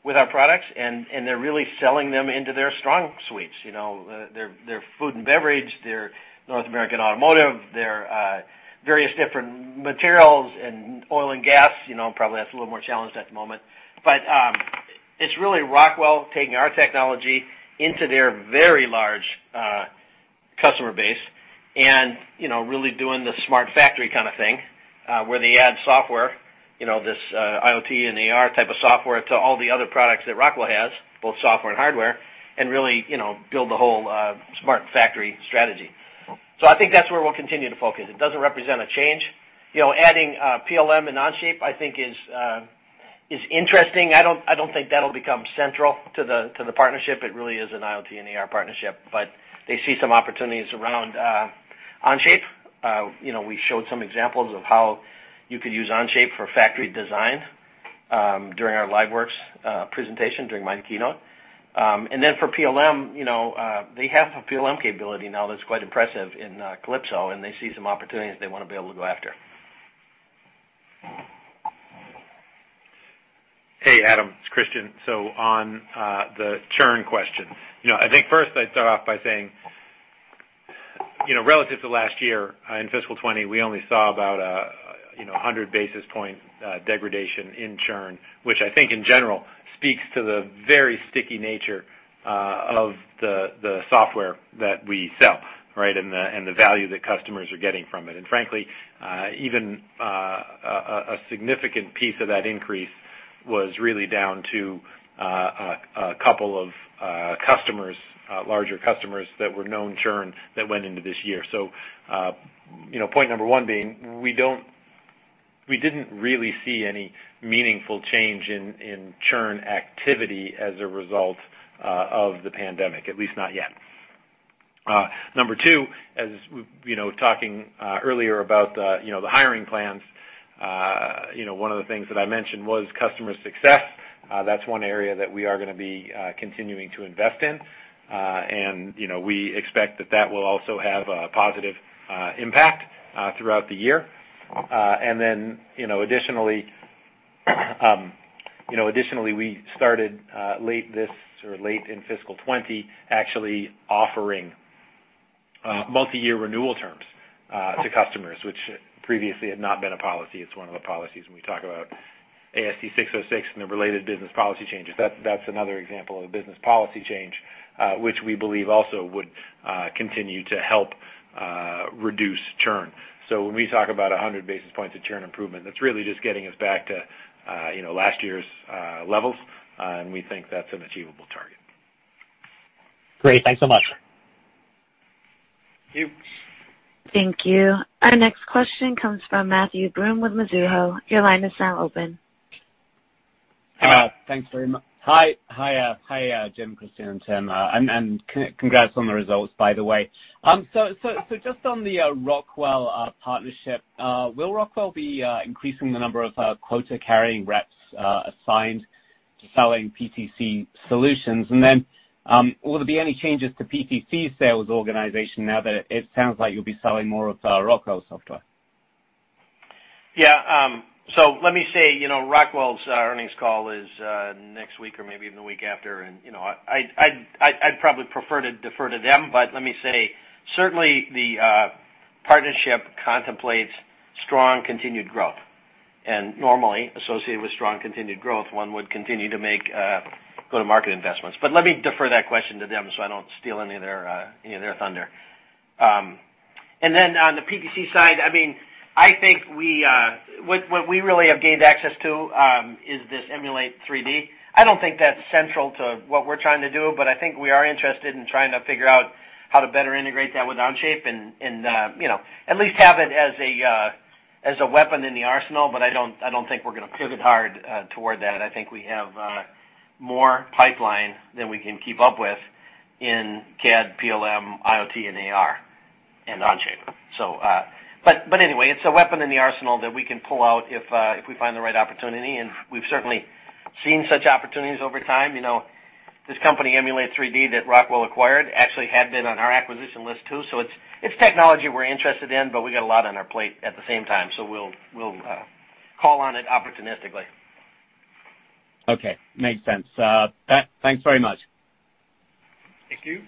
with our products, and they're really selling them into their strong suits. Their food and beverage, their North American automotive, their various different materials and oil and gas. Probably that's a little more challenged at the moment. It's really Rockwell taking our technology into their very large customer base and really doing the smart factory kind of thing, where they add software, this IoT and AR type of software, to all the other products that Rockwell has, both software and hardware, and really build the whole smart factory strategy. I think that's where we'll continue to focus. It doesn't represent a change. Adding PLM and Onshape, I think is interesting. I don't think that'll become central to the partnership. It really is an IoT and AR partnership, but they see some opportunities around Onshape. We showed some examples of how you could use Onshape for factory design during our LiveWorx presentation during my keynote. Then for PLM, they have a PLM capability now that's quite impressive in Kalypso, and they see some opportunities they want to be able to go after. Hey, Kristian. On the churn question. I think first I'd start off by saying, relative to last year, in fiscal 2020, we only saw about 100 basis points degradation in churn, which I think in general speaks to the very sticky nature of the software that we sell, right, and the value that customers are getting from it. Frankly, even a significant piece of that increase was really down to a couple of larger customers that were known churn that went into this year. Point number one being, we didn't really see any meaningful change in churn activity as a result of the pandemic, at least not yet. Number two, as talking earlier about the hiring plans, one of the things that I mentioned was customer success. That's one area that we are going to be continuing to invest in. We expect that that will also have a positive impact throughout the year. Additionally, we started late in fiscal 2020 actually offering multi-year renewal terms to customers, which previously had not been a policy. It's one of the policies when we talk about ASC 606 and the related business policy changes. That's another example of a business policy change, which we believe also would continue to help reduce churn. When we talk about 100 basis points of churn improvement, that's really just getting us back to last year's levels, and we think that's an achievable target. Great. Thanks so much. Thank you. Thank you. Our next question comes from Matthew Broome with Mizuho. Your line is now open. Thanks very much. Hi, Jim, Kristian, and Tim. Congrats on the results, by the way. Just on the Rockwell partnership. Will Rockwell be increasing the number of quota-carrying reps assigned to selling PTC solutions? Will there be any changes to PTC sales organization now that it sounds like you'll be selling more of Rockwell software? Yeah. Let me say, Rockwell's earnings call is next week or maybe even the week after, I'd probably prefer to defer to them, let me say, certainly the partnership contemplates strong continued growth. Normally associated with strong continued growth, one would continue to make go-to-market investments. Let me defer that question to them so I don't steal any of their thunder. On the PTC side, I think what we really have gained access to is this Emulate3D. I don't think that's central to what we're trying to do, I think we are interested in trying to figure out how to better integrate that with Onshape and at least have it as a weapon in the arsenal. I don't think we're going to pivot hard toward that. I think we have more pipeline than we can keep up with in CAD, PLM, IoT, and AR and Onshape. Anyway, it's a weapon in the arsenal that we can pull out if we find the right opportunity, and we've certainly seen such opportunities over time. This company, Emulate3D, that Rockwell acquired, actually had been on our acquisition list, too. It's technology we're interested in, but we got a lot on our plate at the same time, so we'll call on it opportunistically. Okay. Makes sense. Pat, thanks very much. Thank you.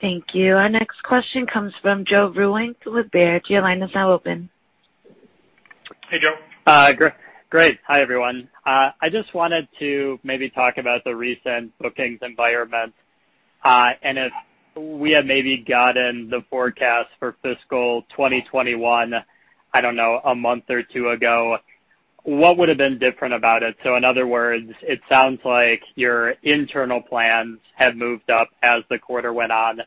Thank you. Our next question comes from Joe Vruwink with Baird. Your line is now open. Hey, Joe. Great. Hi, everyone. I just wanted to maybe talk about the recent bookings environment. If we had maybe gotten the forecast for fiscal 2021, I don't know, a month or two ago, what would've been different about it? In other words, it sounds like your internal plans have moved up as the quarter went on.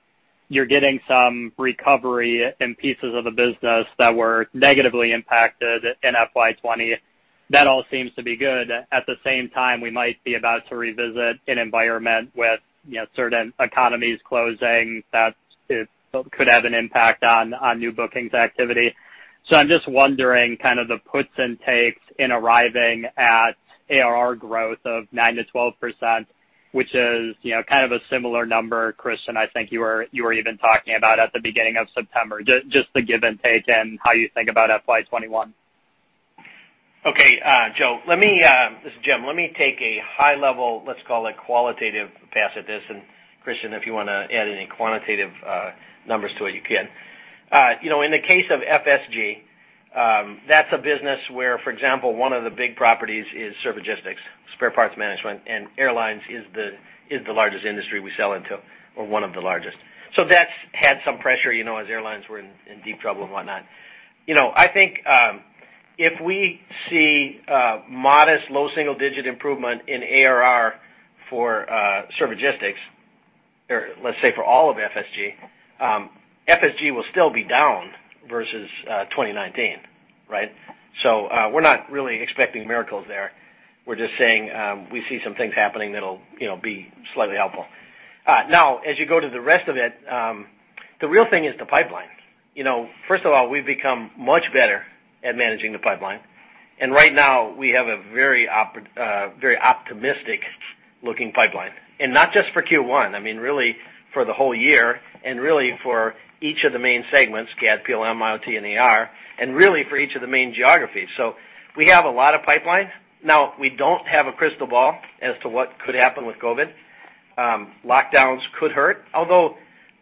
You're getting some recovery in pieces of the business that were negatively impacted in FY 2020. That all seems to be good. At the same time, we might be about to revisit an environment with certain economies closing, that it could have an impact on new bookings activity. I'm just wondering the puts and takes in arriving at ARR growth of 9%-12%, which is kind of a similar number, Kristian, I think you were even talking about at the beginning of September, just the give and take and how you think about FY 2021. Okay. Joe. This is Jim. Let me take a high level, let's call it qualitative pass at this, and Kristian, if you want to add any quantitative numbers to it, you can. In the case of FSG, that's a business where, for example, one of the big properties is Servigistics, spare parts management, and airlines is the largest industry we sell into or one of the largest. That's had some pressure, as airlines were in deep trouble and whatnot. I think if we see a modest low single-digit improvement in ARR for Servigistics, or let's say for all of FSG will still be down versus 2019, right? We're not really expecting miracles there. We're just saying we see some things happening that'll be slightly helpful. Now, as you go to the rest of it, the real thing is the pipeline. First of all, we've become much better at managing the pipeline. Right now, we have a very optimistic-looking pipeline. Not just for Q1, really for the whole year, and really for each of the main segments, CAD, PLM, IoT, and AR, and really for each of the main geographies. We have a lot of pipeline. Now, we don't have a crystal ball as to what could happen with COVID. Lockdowns could hurt, although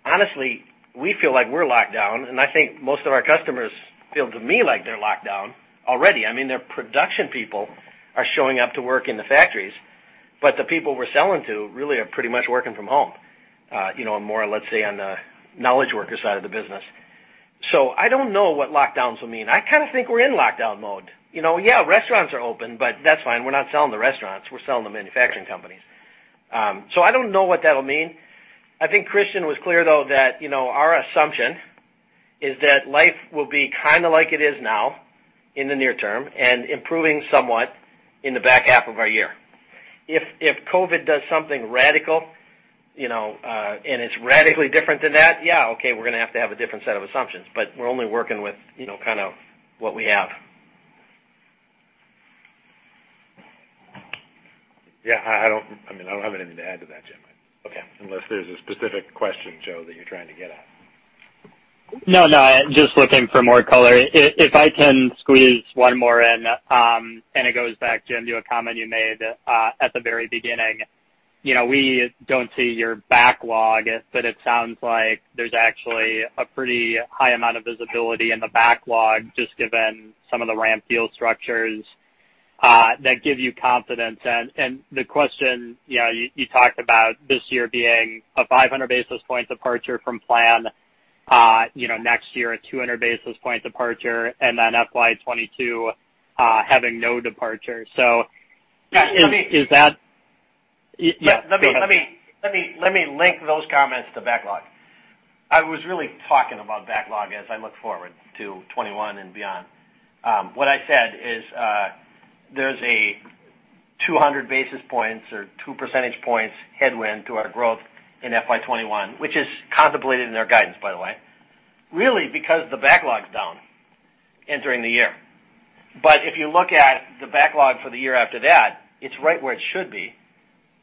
honestly, we feel like we're locked down, and I think most of our customers feel to me like they're locked down already. Their production people are showing up to work in the factories, but the people we're selling to really are pretty much working from home, more, let's say, on the knowledge worker side of the business. I don't know what lockdowns will mean. I kind of think we're in lockdown mode. Yeah, restaurants are open, but that's fine. We're not selling to restaurants. We're selling to manufacturing companies. I don't know what that'll mean. I think Kristian was clear, though, that our assumption is that life will be kind of like it is now in the near term and improving somewhat in the back half of our year. If COVID does something radical, and it's radically different than that, yeah, okay, we're going to have to have a different set of assumptions. We're only working with what we have. Yeah. I don't have anything to add to that, Jim. Okay. Unless there's a specific question, Joe, that you're trying to get at. Just looking for more color. If I can squeeze one more in, it goes back, Jim, to a comment you made at the very beginning. We don't see your backlog, it sounds like there's actually a pretty high amount of visibility in the backlog, just given some of the ramp deal structures that give you confidence. The question, you talked about this year being a 500 basis points departure from plan, next year a 200 basis points departure, and then FY 2022 having no departure. Yeah, let me- Is that Yeah. Go ahead. Let me link those comments to backlog. I was really talking about backlog as I look forward to 2021 and beyond. What I said is there's a 200 basis points or two percentage points headwind to our growth in FY 2021, which is contemplated in our guidance, by the way, really because the backlog's down entering the year. If you look at the backlog for the year after that, it's right where it should be,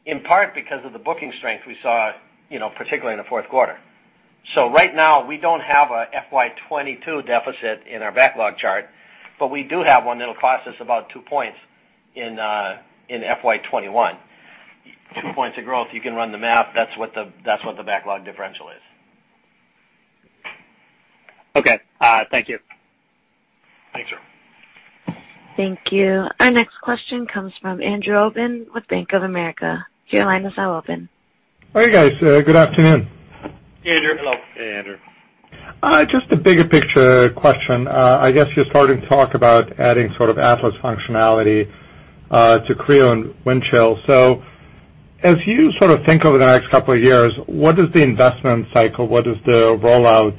in part because of the booking strength we saw particularly in the fourth quarter. Right now, we don't have a FY 2022 deficit in our backlog chart, but we do have one that'll cost us about two points in FY 2021. Two points of growth, you can run the math. That's what the backlog differential is. Okay. Thank you. Thank you. Our next question comes from Andrew Obin with Bank of America. Your line is now open. Hey, guys. Good afternoon. Hey, Andrew. Hello. Hey, Andrew. Just a bigger picture question. I guess you're starting to talk about adding sort of Atlas functionality to Creo and Windchill. As you sort of think over the next couple of years, what is the investment cycle? What does the rollout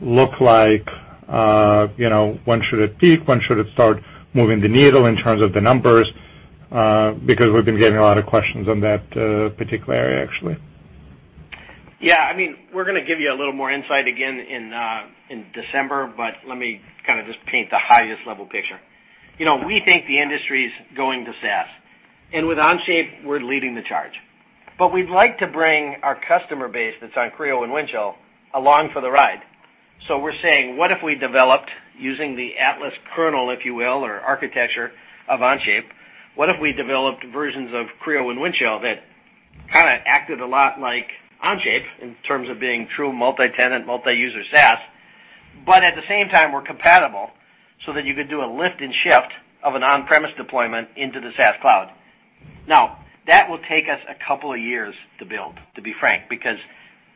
look like? When should it peak? When should it start moving the needle in terms of the numbers? Because we've been getting a lot of questions on that particular area, actually. We're going to give you a little more insight again in December, let me kind of just paint the highest-level picture. We think the industry's going to SaaS, with Onshape, we're leading the charge. We'd like to bring our customer base that's on Creo and Windchill along for the ride. We're saying, what if we developed using the Atlas kernel, if you will, or architecture of Onshape, what if we developed versions of Creo and Windchill that kind of acted a lot like Onshape in terms of being true multi-tenant, multi-user SaaS, but at the same time, were compatible so that you could do a lift and shift of an on-premise deployment into the SaaS cloud. That will take us a couple of years to build, to be frank, because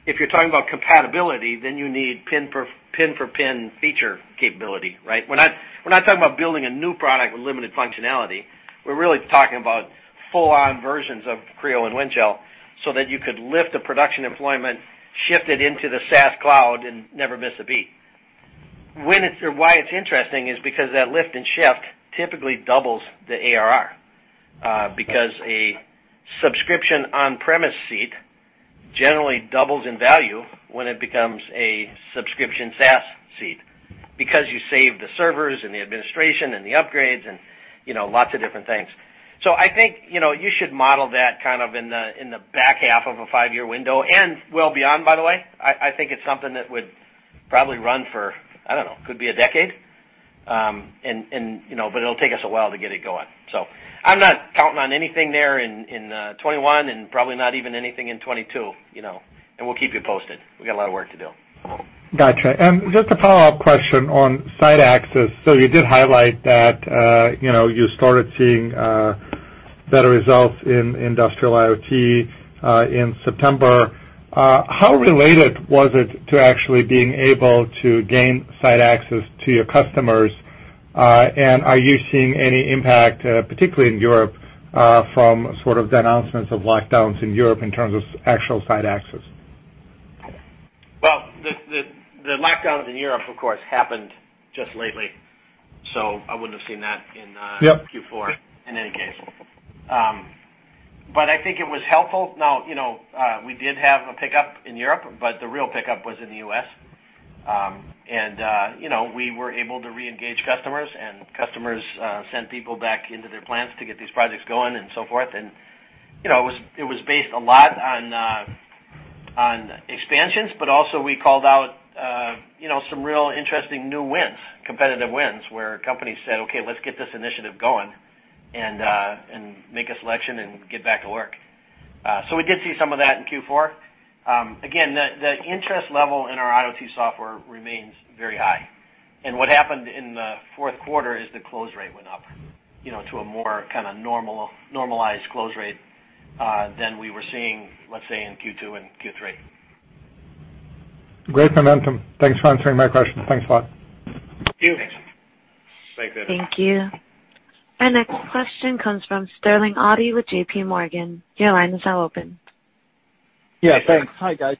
if you're talking about compatibility, then you need pin-for-pin feature capability, right? We're not talking about building a new product with limited functionality. We're really talking about full-on versions of Creo and Windchill so that you could lift a production employment, shift it into the SaaS cloud and never miss a beat. Why it's interesting is because that lift and shift typically doubles the ARR. A subscription on-premise seat generally doubles in value when it becomes a subscription SaaS seat, because you save the servers and the administration and the upgrades and lots of different things. I think, you should model that kind of in the back half of a five-year window and well beyond, by the way. I think it's something that would probably run for, I don't know, could be a decade. It'll take us a while to get it going. I'm not counting on anything there in 2021 and probably not even anything in 2022. We'll keep you posted. We got a lot of work to do. Got you. Just a follow-up question on site access. You did highlight that you started seeing better results in Industrial IoT in September. How related was it to actually being able to gain site access to your customers? Are you seeing any impact, particularly in Europe, from sort of the announcements of lockdowns in Europe in terms of actual site access? Well, the lockdowns in Europe, of course, happened just lately, so I wouldn't have seen that. Yep. I think it was helpful. We did have a pickup in Europe, but the real pickup was in the U.S. We were able to reengage customers, and customers sent people back into their plants to get these projects going and so forth, and it was based a lot on expansions, but also we called out some real interesting new wins, competitive wins, where companies said, "Okay, let's get this initiative going and make a selection and get back to work." We did see some of that in Q4. Again, the interest level in our IoT software remains very high. What happened in the fourth quarter is the close rate went up to a more kind of normalized close rate than we were seeing, let's say, in Q2 and Q3. Great momentum. Thanks for answering my question. Thanks a lot. Thank you. Thank you. Thank you. Our next question comes from Sterling Auty with JPMorgan. Yeah, thanks. Hi, guys.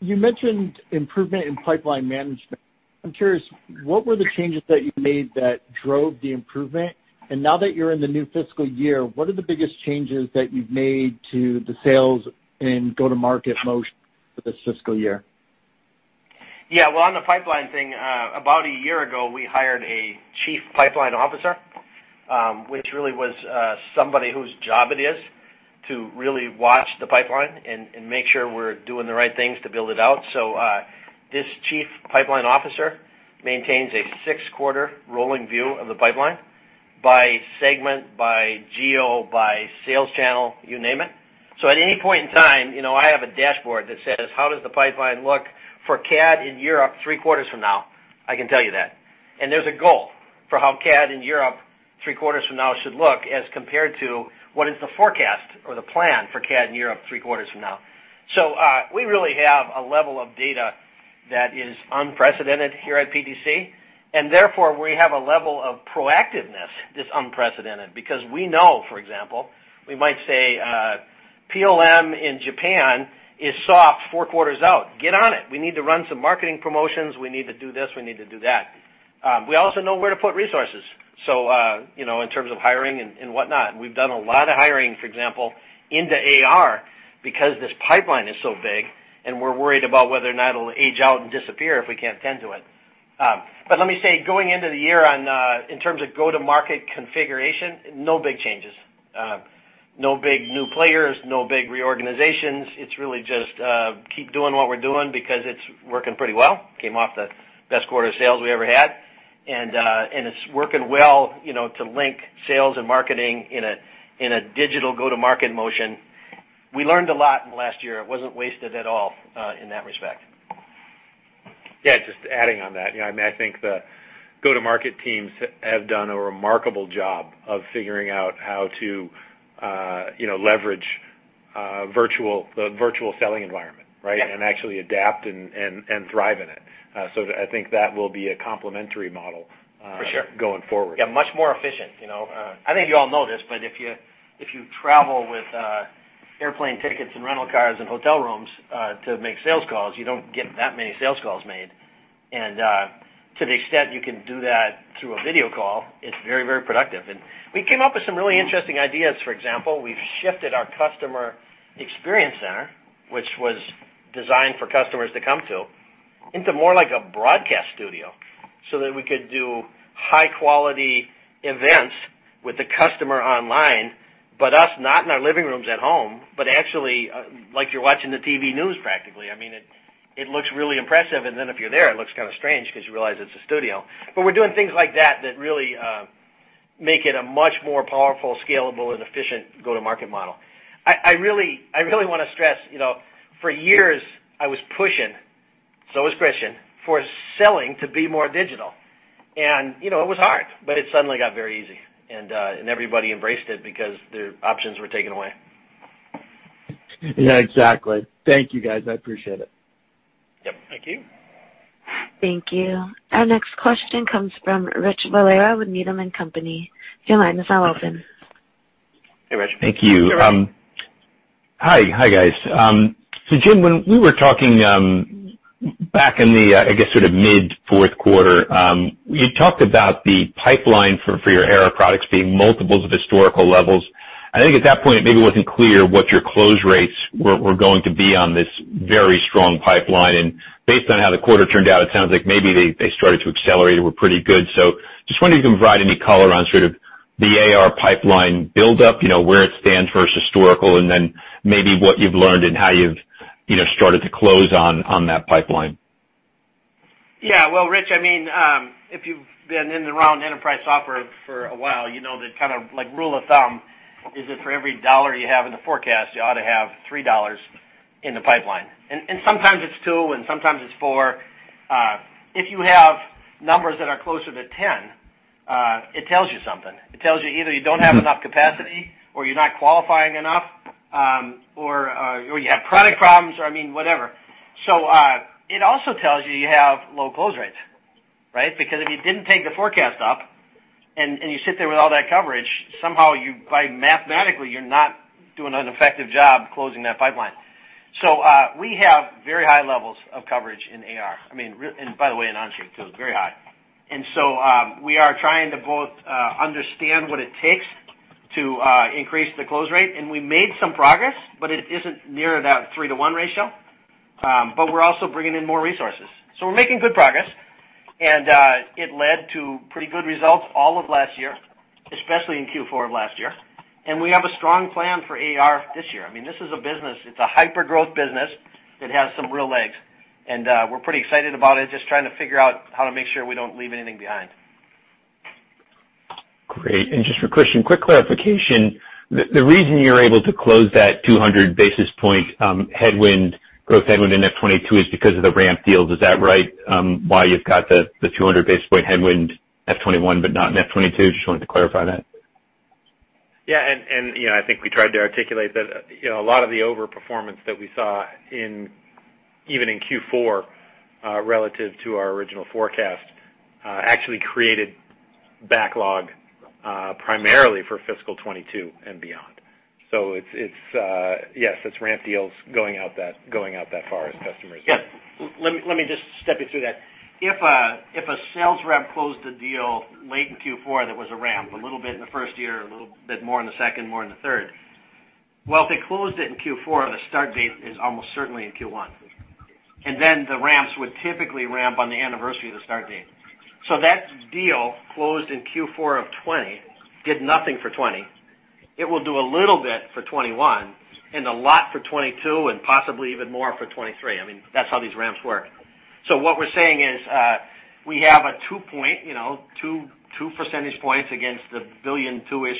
You mentioned improvement in pipeline management. I'm curious, what were the changes that you made that drove the improvement? Now that you're in the new fiscal year, what are the biggest changes that you've made to the sales and go-to-market motion for this fiscal year? On the pipeline thing, about a year ago, we hired a chief pipeline officer, which really was somebody whose job it is to really watch the pipeline and make sure we're doing the right things to build it out. This chief pipeline officer maintains a six-quarter rolling view of the pipeline by segment, by geo, by sales channel, you name it. At any point in time, I have a dashboard that says, how does the pipeline look for CAD in Europe three quarters from now? I can tell you that. There's a goal for how CAD in Europe three quarters from now should look as compared to what is the forecast or the plan for CAD in Europe three quarters from now. We really have a level of data that is unprecedented here at PTC, and therefore, we have a level of proactiveness that's unprecedented because we know, for example, we might say, "PLM in Japan is soft four quarters out. Get on it. We need to run some marketing promotions. We need to do this. We need to do that." We also know where to put resources. In terms of hiring and whatnot. We've done a lot of hiring, for example, into AR because this pipeline is so big, and we're worried about whether or not it'll age out and disappear if we can't tend to it. Let me say, going into the year in terms of go-to-market configuration, no big changes. No big new players, no big reorganizations. It's really just keep doing what we're doing because it's working pretty well. came off the best quarter of sales we ever had. It's working well to link sales and marketing in a digital go-to-market motion. We learned a lot in the last year. It wasn't wasted at all in that respect. Yeah, just adding on that. I think the go-to-market teams have done a remarkable job of figuring out how to leverage the virtual selling environment, right? Actually adapt and thrive in it. I think that will be a complementary model. For sure. Going forward. Yeah, much more efficient. I think you all know this, but if you travel with airplane tickets and rental cars and hotel rooms to make sales calls, you don't get that many sales calls made. To the extent you can do that through a video call, it's very productive. We came up with some really interesting ideas. For example, we've shifted our customer experience center, which was designed for customers to come to, into more like a broadcast studio so that we could do high-quality events with the customer online, but us not in our living rooms at home, but actually like you're watching the TV news practically. It looks really impressive. If you're there, it looks kind of strange because you realize it's a studio. We're doing things like that that really make it a much more powerful, scalable, and efficient go-to-market model. I really want to stress, for years I was pushing, so was Kristian, for selling to be more digital. It was hard, but it suddenly got very easy, and everybody embraced it because their options were taken away. Yeah, exactly. Thank you, guys. I appreciate it. Yep. Thank you. Thank you. Our next question comes from Rich Valera with Needham and Company. Your line is now open. Hey, Rich. Thank you. You're right. Hi, guys. Jim, when we were talking back in the, I guess mid fourth quarter, you talked about the pipeline for your AR products being multiples of historical levels. I think at that point, it maybe wasn't clear what your close rates were going to be on this very strong pipeline. Based on how the quarter turned out, it sounds like maybe they started to accelerate and were pretty good. Just wondering if you can provide any color on sort of the AR pipeline buildup, where it stands versus historical, and then maybe what you've learned and how you've started to close on that pipeline. Yeah. Well, Rich, if you've been in and around enterprise software for a while, you know the kind of rule of thumb is that for every dollar you have in the forecast, you ought to have $3 in the pipeline. Sometimes it's two, and sometimes it's four. If you have numbers that are closer to 10, it tells you something. It tells you either you don't have enough capacity, or you're not qualifying enough, or you have product problems or whatever. It also tells you you have low close rates, right? Because if you didn't take the forecast up and you sit there with all that coverage, somehow, by mathematically, you're not doing an effective job closing that pipeline. We have very high levels of coverage in AR. By the way, in Onshape too, it's very high. We are trying to both understand what it takes to increase the close rate. We made some progress, but it isn't near that 3 to 1 ratio. We're also bringing in more resources. We're making good progress, and it led to pretty good results all of last year, especially in Q4 of last year. We have a strong plan for AR this year. This is a business, it's a hyper-growth business that has some real legs, and we're pretty excited about it. Just trying to figure out how to make sure we don't leave anything behind. Great. Just for Kristian, quick clarification. The reason you're able to close that 200 basis point growth headwind in FY 2022 is because of the ramp deals. Is that right? Why you've got the 200 basis point headwind FY 2021 but not in FY 2022? Just wanted to clarify that. Yeah. I think we tried to articulate that a lot of the over-performance that we saw even in Q4 relative to our original forecast actually created backlog primarily for fiscal 2022 and beyond. Yes, it's ramp deals going out that far as customers. Yeah. Let me just step you through that. If a sales rep closed a deal late in Q4 that was a ramp, a little bit in the first year, a little bit more in the second, more in the third. Well, if they closed it in Q4, the start date is almost certainly in Q1. The ramps would typically ramp on the anniversary of the start date. That deal closed in Q4 of 2020, did nothing for 2020. It will do a little bit for 2021, and a lot for 2022, and possibly even more for 2023. That's how these ramps work. What we're saying is we have a two percentage points against the billion two-ish,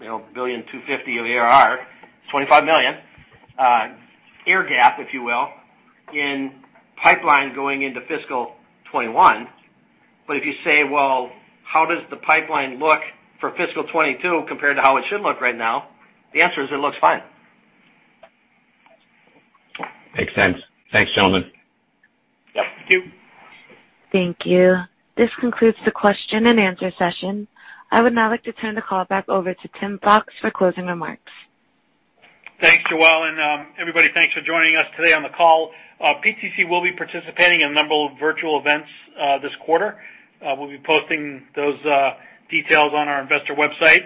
$billion 250 of ARR, $25 million air gap, if you will, in pipeline going into fiscal 2021. If you say, "Well, how does the pipeline look for fiscal 2022 compared to how it should look right now?" The answer is it looks fine. Makes sense. Thanks, gentlemen. Yep. Thank you. Thank you. This concludes the question and answer session. I would now like to turn the call back over to Tim Fox for closing remarks. Thanks, Joelle. Everybody, thanks for joining us today on the call. PTC will be participating in a number of virtual events this quarter. We'll be posting those details on our investor website.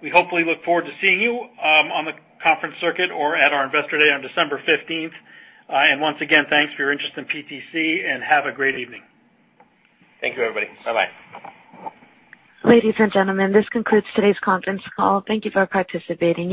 We hopefully look forward to seeing you on the conference circuit or at our Investor Day on December 15th. Once again, thanks for your interest in PTC, and have a great evening. Thank you, everybody. Bye-bye. Ladies and gentlemen, this concludes today's conference call. Thank you for participating.